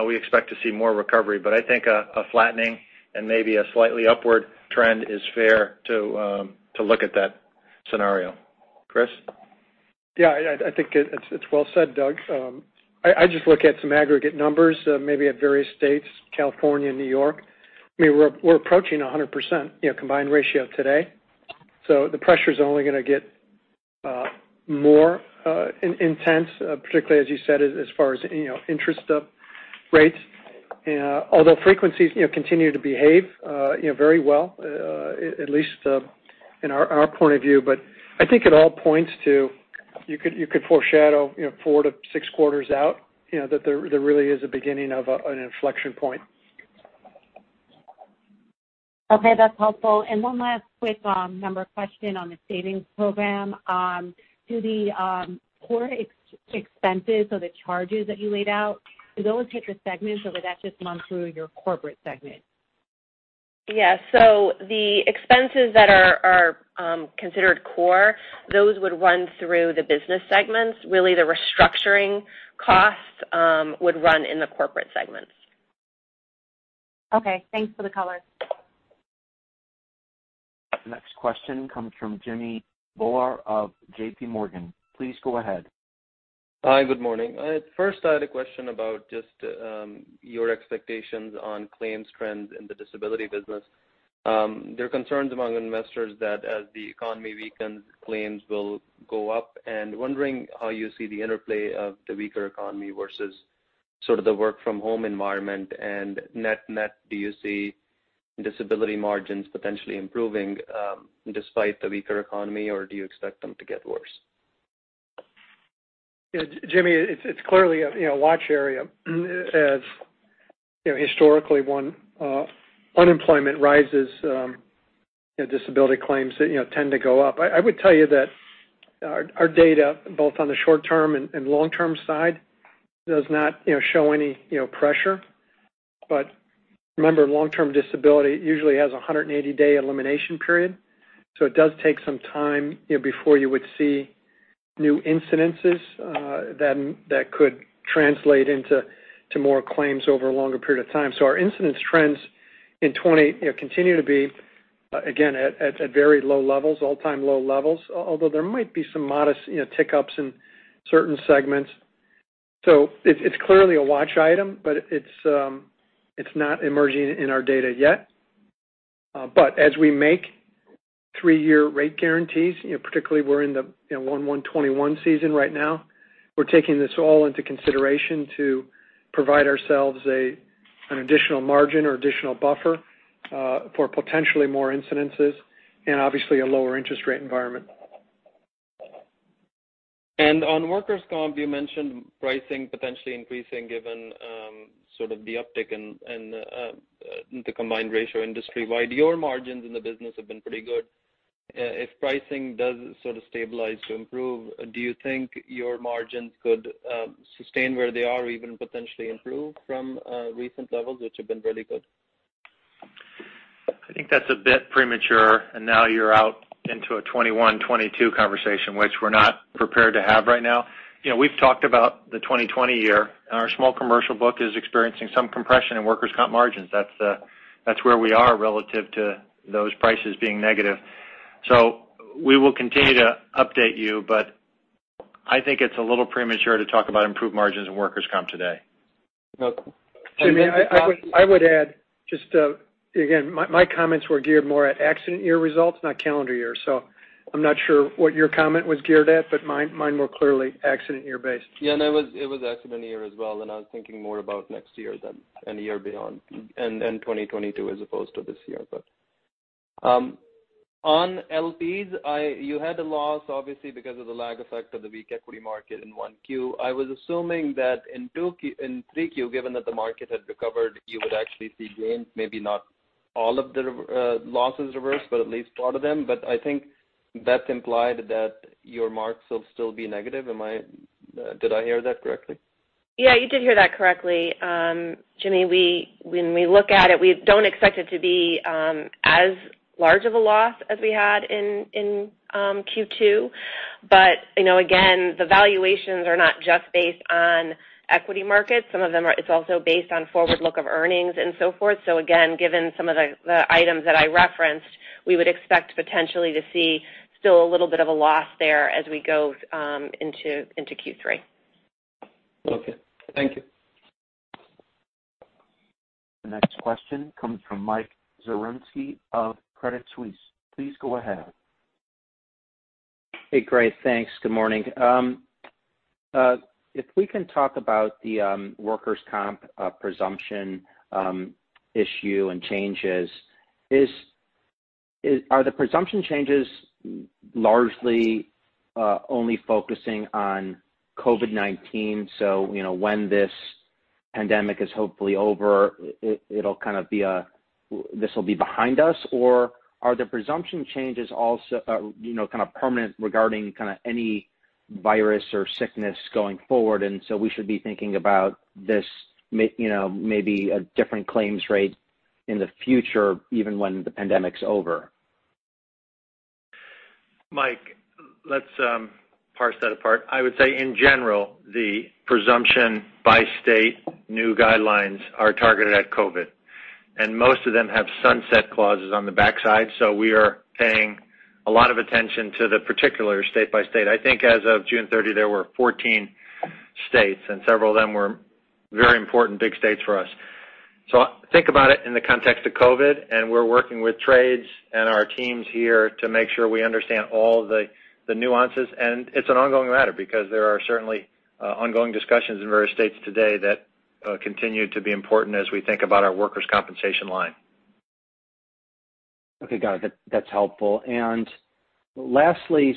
we expect to see more recovery. But I think a flattening and maybe a slightly upward trend is fair to look at that scenario. Chris? Yeah, I think it's well said, Doug. I just look at some aggregate numbers, maybe at various states, California, New York. I mean, we're approaching 100%, you know, combined ratio today. So the pressure is only going to get more intense, particularly as you said, as far as, you know, interest rates. And although frequencies, you know, continue to behave very well, at least in our point of view. But I think it all points to you could foreshadow, you know, four-six quarters out, you know, that there really is a beginning of an inflection point. Okay, that's helpful. And one last quick number question on the savings program. Do the core expenses or the charges that you laid out, do those hit the segments, or would that just run through your corporate segment? Yeah. So the expenses that are considered core, those would run through the business segments. Really, the restructuring costs would run in the corporate segments. Okay, thanks for the color. Next question comes from Jimmy Bhullar of JPMorgan. Please go ahead. Hi, good morning. First, I had a question about just your expectations on claims trends in the disability business. There are concerns among investors that as the economy weakens, claims will go up, and wondering how you see the interplay of the weaker economy versus sort of the work-from-home environment. And net-net, do you see disability margins potentially improving, despite the weaker economy, or do you expect them to get worse? Yeah, Jimmy, it's clearly a watch area. As you know, historically, when unemployment rises, you know, disability claims tend to go up. I would tell you that our data, both on the short-term and long-term side, does not show any pressure. But remember, long-term disability usually has a 180-day elimination period, so it does take some time, you know, before you would see new incidences that could translate into more claims over a longer period of time. So our incidence trends in 2020 continue to be, again, at very low levels, all-time low levels, although there might be some modest tick ups in certain segments. So it's clearly a watch item, but it's not emerging in our data yet. But as we make three-year rate guarantees, you know, particularly we're in the 1/1/2021 season right now, we're taking this all into consideration to provide ourselves an additional margin or additional buffer for potentially more incidents and obviously a lower interest rate environment. On workers' comp, you mentioned pricing potentially increasing given sort of the uptick in the combined ratio industry-wide. Your margins in the business have been pretty good. If pricing does sort of stabilize to improve, do you think your margins could sustain where they are or even potentially improve from recent levels, which have been really good? I think that's a bit premature, and now you're out into a 2021, 2022 conversation, which we're not prepared to have right now. You know, we've talked about the 2020 year, and our small commercial book is experiencing some compression in workers' comp margins. That's, that's where we are relative to those prices being negative. So we will continue to update you, but I think it's a little premature to talk about improved margins in workers' comp today. Okay. Jimmy, I would add just, again, my comments were geared more at accident year results, not calendar year. So I'm not sure what your comment was geared at, but mine were clearly accident year based. Yeah, no, it was accident year as well, and I was thinking more about next year than any year beyond, and then 2022, as opposed to this year. But on LPs, you had a loss, obviously, because of the lag effect of the weak equity market in 1Q. I was assuming that in 2Q - in 3Q, given that the market had recovered, you would actually see gains, maybe not all of the losses reversed, but at least part of them. But I think that's implied that your marks will still be negative. Am I? Did I hear that correctly? Yeah, you did hear that correctly. Jimmy, we, when we look at it, we don't expect it to be as large of a loss as we had in Q2. But, you know, again, the valuations are not just based on equity markets. Some of them are, it's also based on forward look of earnings and so forth. So again, given some of the items that I referenced, we would expect potentially to see still a little bit of a loss there as we go into Q3. Okay. Thank you. The next question comes from Mike Zaremski of Credit Suisse. Please go ahead. Hey, great, thanks. Good morning. If we can talk about the workers' comp presumption issue and changes, are the presumption changes largely only focusing on COVID-19, so, you know, when this pandemic is hopefully over, it'll kind of be a, this will be behind us? Or are the presumption changes also, you know, kind of permanent regarding kind of any virus or sickness going forward, and so we should be thinking about this may, you know, maybe a different claims rate in the future, even when the pandemic's over? Mike, let's parse that apart. I would say in general, the presumption by state new guidelines are targeted at COVID, and most of them have sunset clauses on the backside, so we are paying a lot of attention to the particular state by state. I think as of June 30, there were 14 states, and several of them were very important, big states for us. So think about it in the context of COVID, and we're working with trades and our teams here to make sure we understand all the nuances. And it's an ongoing matter because there are certainly ongoing discussions in various states today that continue to be important as we think about our workers' compensation line. Okay, got it. That's helpful. And lastly,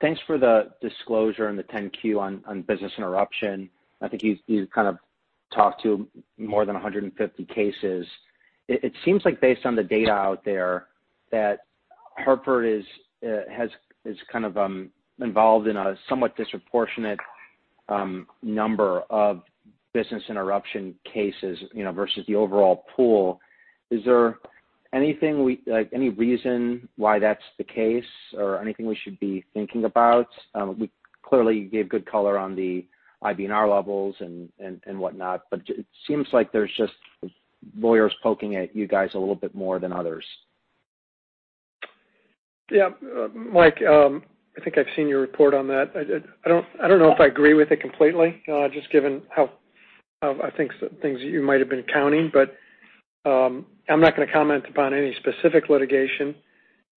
thanks for the disclosure on the 10-Q on business interruption. I think you kind of talked to more than 150 cases. It seems like based on the data out there, that Hartford is kind of involved in a somewhat disproportionate number of business interruption cases, you know, versus the overall pool. Is there anything like any reason why that's the case or anything we should be thinking about? We clearly gave good color on the IBNR levels and whatnot, but it seems like there's just lawyers poking at you guys a little bit more than others. Yeah, Mike, I think I've seen your report on that. I don't know if I agree with it completely, just given how I think some things you might have been counting, but I'm not gonna comment upon any specific litigation.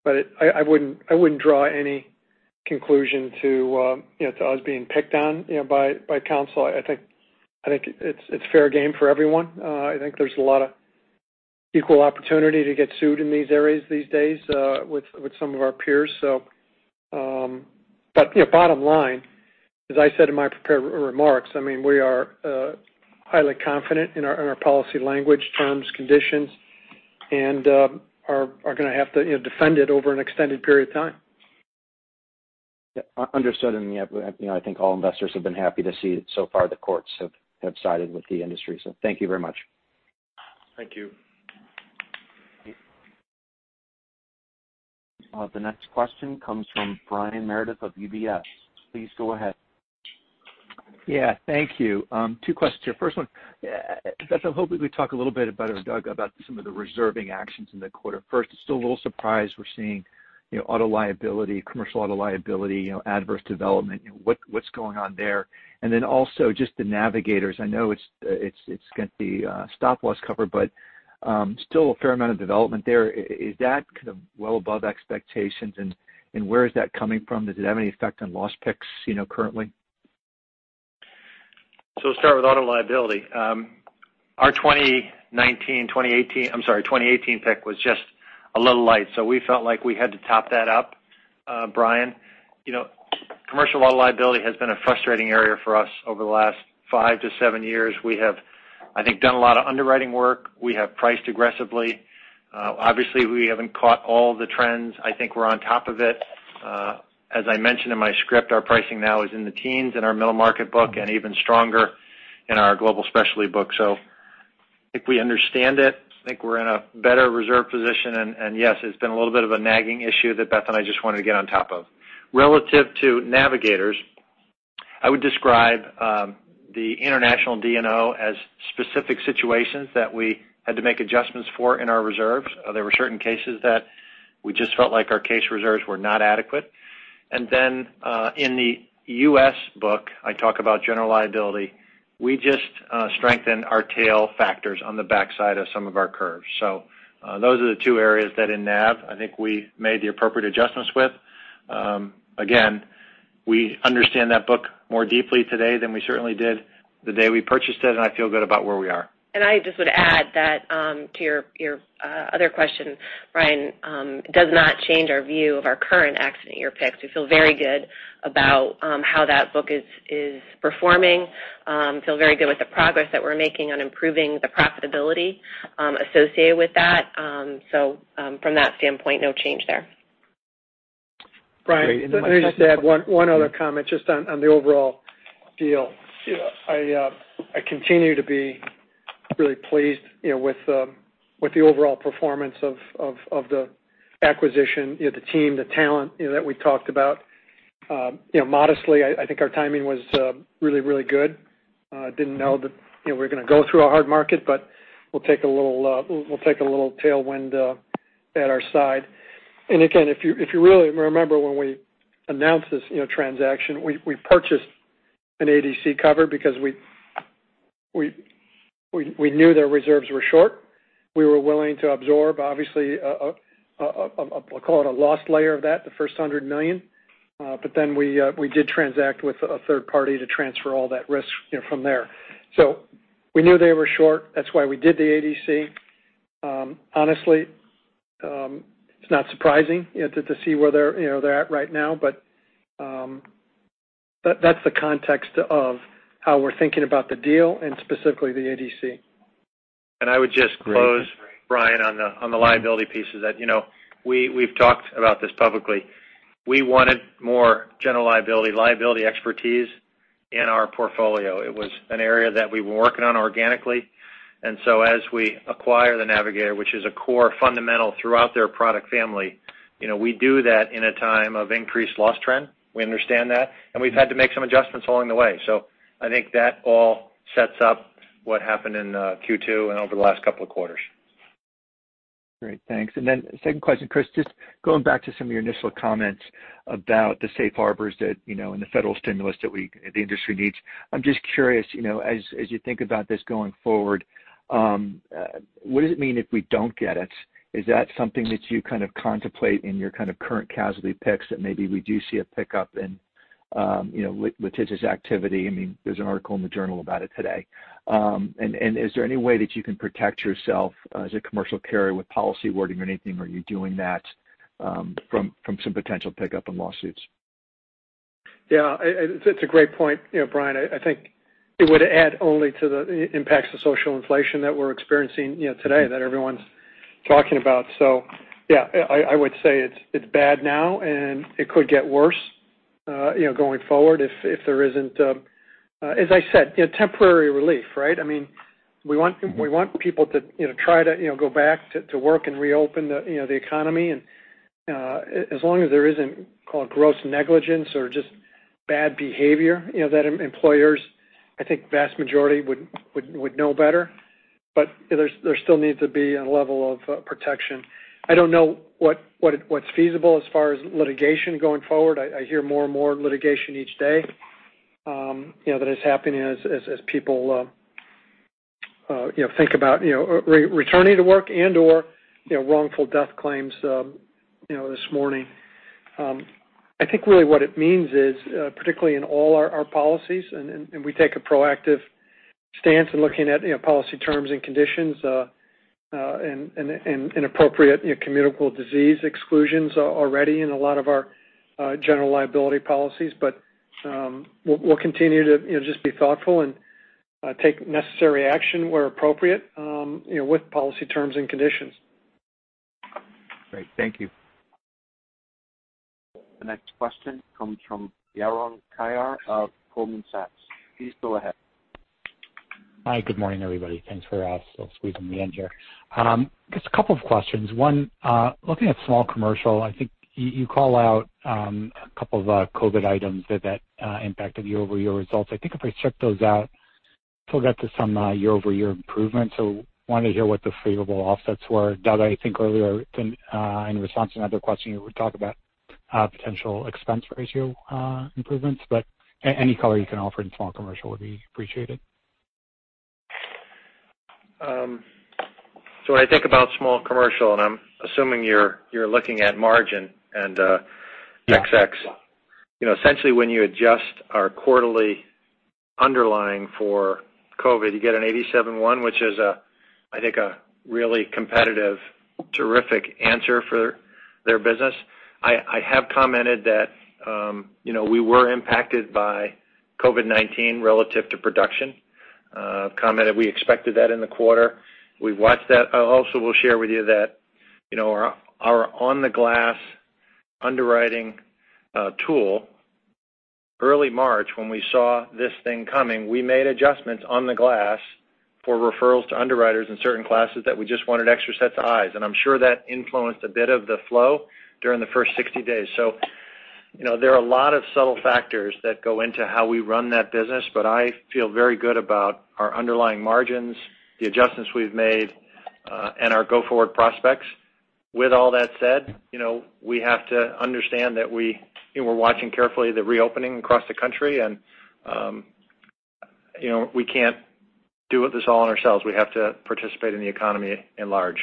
But it. I wouldn't draw any conclusion to you know, to us being picked on, you know, by counsel. I think it's fair game for everyone. I think there's a lot of equal opportunity to get sued in these areas these days, with some of our peers, so. But, you know, bottom line, as I said in my prepared remarks, I mean, we are highly confident in our policy language, terms, conditions, and are gonna have to, you know, defend it over an extended period of time. Yeah, understood. And, yep, you know, I think all investors have been happy to see that so far the courts have sided with the industry. So thank you very much. Thank you. The next question comes from Brian Meredith of UBS. Please go ahead. Yeah, thank you. Two questions here. First one, Beth, I'm hoping we talk a little bit about, or Doug, about some of the reserving actions in the quarter. First, still a little surprised we're seeing, you know, auto liability, commercial auto liability, you know, adverse development. You know, what, what's going on there? And then also, just the Navigators, I know it's, it's got the stop-loss cover, but, still a fair amount of development there. Is that kind of well above expectations, and where is that coming from? Does it have any effect on loss picks, you know, currently? We'll start with auto liability. Our 2019, 2018—I'm sorry, 2018 pick was just a little light, so we felt like we had to top that up, Brian. You know, commercial auto liability has been a frustrating area for us over the last five to seven years. We have, I think, done a lot of underwriting work. We have priced aggressively. Obviously, we haven't caught all the trends. I think we're on top of it. As I mentioned in my script, our pricing now is in the teens in our middle market book and even stronger in our Global Specialty book. So I think we understand it, I think we're in a better reserve position, and yes, it's been a little bit of a nagging issue that Beth and I just wanted to get on top of. Relative to Navigators, I would describe the international D&O as specific situations that we had to make adjustments for in our reserves. There were certain cases that we just felt like our case reserves were not adequate. And then, in the U.S. book, I talk about general liability, we just strengthened our tail factors on the backside of some of our curves. So, those are the two areas that in Nav, I think we made the appropriate adjustments with. Again, we understand that book more deeply today than we certainly did the day we purchased it, and I feel good about where we are. I just would add that to your other question, Brian. It does not change our view of our current accident year picks. We feel very good about how that book is performing. Feel very good with the progress that we're making on improving the profitability associated with that. So, from that standpoint, no change there. Brian, let me just add one other comment just on the overall deal. I continue to be really pleased, you know, with the overall performance of the acquisition, you know, the team, the talent, you know, that we talked about. You know, modestly, I think our timing was really good. Didn't know that, you know, we're gonna go through a hard market, but we'll take a little tailwind at our side. And again, if you really remember when we announced this, you know, transaction, we purchased an ADC cover because we knew their reserves were short. We were willing to absorb obviously, call it a loss layer of that, the first $100 million. But then we did transact with a third party to transfer all that risk, you know, from there. So we knew they were short. That's why we did the ADC. Honestly, it's not surprising, you know, to see where they're at right now. But that's the context of how we're thinking about the deal and specifically the ADC. I would just close, Brian, on the liability piece. That is, you know, we've talked about this publicly. We wanted more general liability, liability expertise in our portfolio. It was an area that we were working on organically. And so as we acquire the Navigators, which is a core fundamental throughout their product family, you know, we do that in a time of increased loss trend. We understand that, and we've had to make some adjustments along the way. So I think that all sets up what happened in Q2 and over the last couple of quarters. Great, thanks. And then second question, Chris, just going back to some of your initial comments about the safe harbors that, you know, and the federal stimulus that the industry needs. I'm just curious, you know, as you think about this going forward, what does it mean if we don't get it? Is that something that you kind of contemplate in your kind of current casualty picks, that maybe we do see a pickup in, you know, litigious activity? I mean, there's an article in the journal about it today. And is there any way that you can protect yourself, as a commercial carrier with policy wording or anything? Are you doing that from some potential pickup in lawsuits? Yeah, it's a great point. You know, Brian, I think it would add only to the impacts of social inflation that we're experiencing, you know, today, that everyone's talking about. So yeah, I would say it's bad now, and it could get worse, you know, going forward if there isn't as I said, you know, temporary relief, right? I mean, we want people to, you know, try to, you know, go back to work and reopen the, you know, the economy. And as long as there isn't, call it, gross negligence or just bad behavior, you know, that employers, I think vast majority would know better. But there still needs to be a level of protection. I don't know what's feasible as far as litigation going forward. I hear more and more litigation each day, you know, that is happening as people think about, you know, returning to work and/or, you know, wrongful death claims, you know, this morning. I think really what it means is, particularly in all our policies, and we take a proactive stance in looking at, you know, policy terms and conditions, and appropriate, you know, communicable disease exclusions already in a lot of our general liability policies. But we'll continue to, you know, just be thoughtful and take necessary action where appropriate, you know, with policy terms and conditions. Great. Thank you. The next question comes from Yaron Kinar of Goldman Sachs. Please go ahead. Hi, good morning, everybody. Thanks for squeezing me in here. Just a couple of questions. One, looking at small commercial, I think you call out a couple of COVID items that impacted your year-over-year results. I think if I stripped those out, still got to some year-over-year improvement. So wanted to hear what the favorable offsets were. Doug, I think earlier in response to another question, you were talking about potential expense ratio improvements, but any color you can offer in small commercial would be appreciated. So when I think about small commercial, and I'm assuming you're looking at margin and XX. Yeah. You know, essentially, when you adjust our quarterly underlying for COVID, you get an 87.1, which is a, I think, a really competitive, terrific answer for their business. I have commented that, you know, we were impacted by COVID-19 relative to production. Commented we expected that in the quarter. We've watched that. I also will share with you that, you know, our on-the-glass underwriting tool, early March, when we saw this thing coming, we made adjustments on the glass for referrals to underwriters in certain classes that we just wanted extra sets of eyes, and I'm sure that influenced a bit of the flow during the first 60 days. So, you know, there are a lot of subtle factors that go into how we run that business, but I feel very good about our underlying margins, the adjustments we've made, and our go-forward prospects. With all that said, you know, we have to understand that we, you know, we're watching carefully the reopening across the country, and, you know, we can't do this all on ourselves. We have to participate in the economy at large.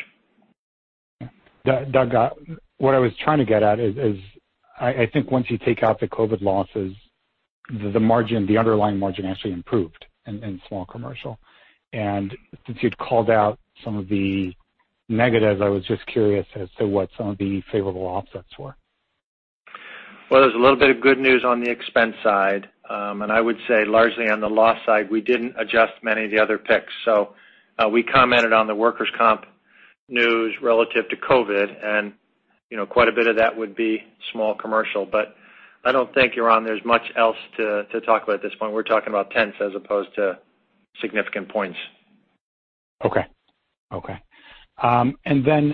Doug, what I was trying to get at is, I think once you take out the COVID losses, the margin, the underlying margin actually improved in small commercial. And since you'd called out some of the negatives, I was just curious as to what some of the favorable offsets were. There's a little bit of good news on the expense side, and I would say largely on the loss side, we didn't adjust many of the other picks. We commented on the workers' comp news relative to COVID, and, you know, quite a bit of that would be small commercial, but I don't think, Yaron, there's much else to talk about at this point. We're talking about tenths as opposed to significant points. Okay. And then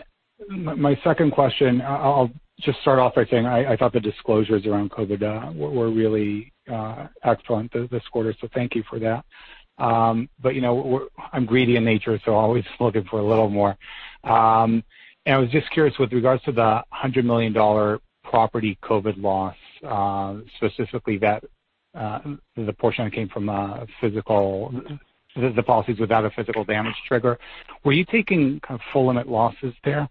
my second question, I'll just start off by saying I thought the disclosures around COVID were really excellent this quarter, so thank you for that. But, you know, we're, I'm greedy in nature, so always looking for a little more. And I was just curious, with regards to the $100 million property COVID loss, specifically, the portion that came from physical, the policies without a physical damage trigger, were you taking kind of full limit losses there?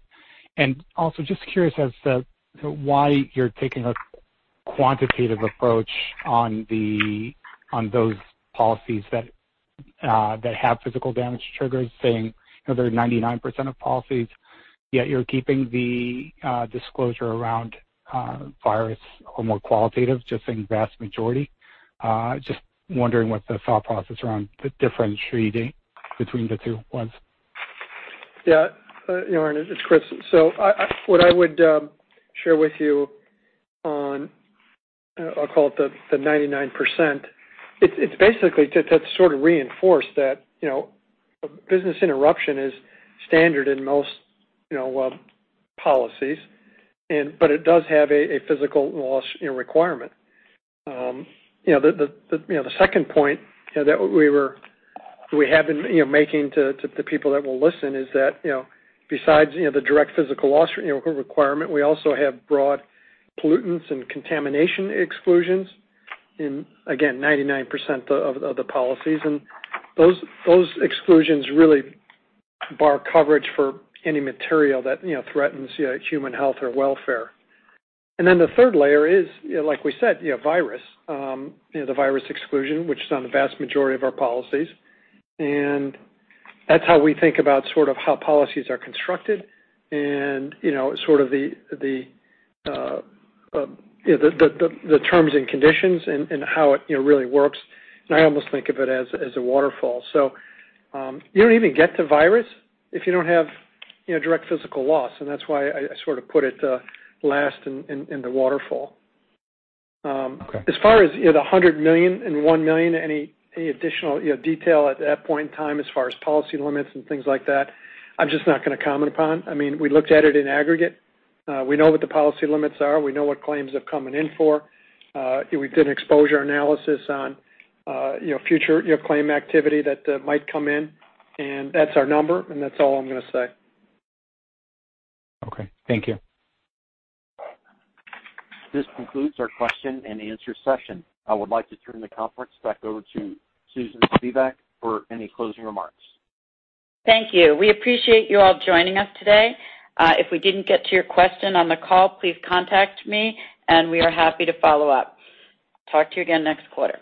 And also just curious as to why you're taking a quantitative approach on those policies that have physical damage triggers, saying, you know, they're 99% of policies, yet you're keeping the disclosure around virus or more qualitative, just saying vast majority. Just wondering what the thought process around the differentiating between the two was? Yeah, you know, it's Chris. So I, what I would share with you on, I'll call it the 99%, it's basically to sort of reinforce that, you know, business interruption is standard in most, you know, policies, and but it does have a physical loss requirement. You know, the second point that we have been making to the people that will listen is that, you know, besides the direct physical loss requirement, we also have broad pollutants and contamination exclusions in, again, 99% of the policies. And those exclusions really bar coverage for any material that threatens human health or welfare. And then the third layer is, like we said, you know, virus, you know, the virus exclusion, which is on the vast majority of our policies. And that's how we think about sort of how policies are constructed and, you know, sort of the terms and conditions and how it, you know, really works. And I almost think of it as a waterfall. So, you don't even get to virus if you don't have, you know, direct physical loss, and that's why I sort of put it last in the waterfall. Okay. As far as, you know, the $100 million and $1 million, any additional, you know, detail at that point in time as far as policy limits and things like that, I'm just not gonna comment upon. I mean, we looked at it in aggregate. We know what the policy limits are. We know what claims have coming in for. We did an exposure analysis on, you know, future, you know, claim activity that might come in, and that's our number, and that's all I'm gonna say. Okay. Thank you. This concludes our question and answer session. I would like to turn the conference back over to Susan Spivak for any closing remarks. Thank you. We appreciate you all joining us today. If we didn't get to your question on the call, please contact me, and we are happy to follow up. Talk to you again next quarter.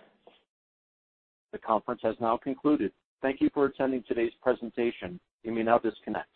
The conference has now concluded. Thank you for attending today's presentation. You may now disconnect.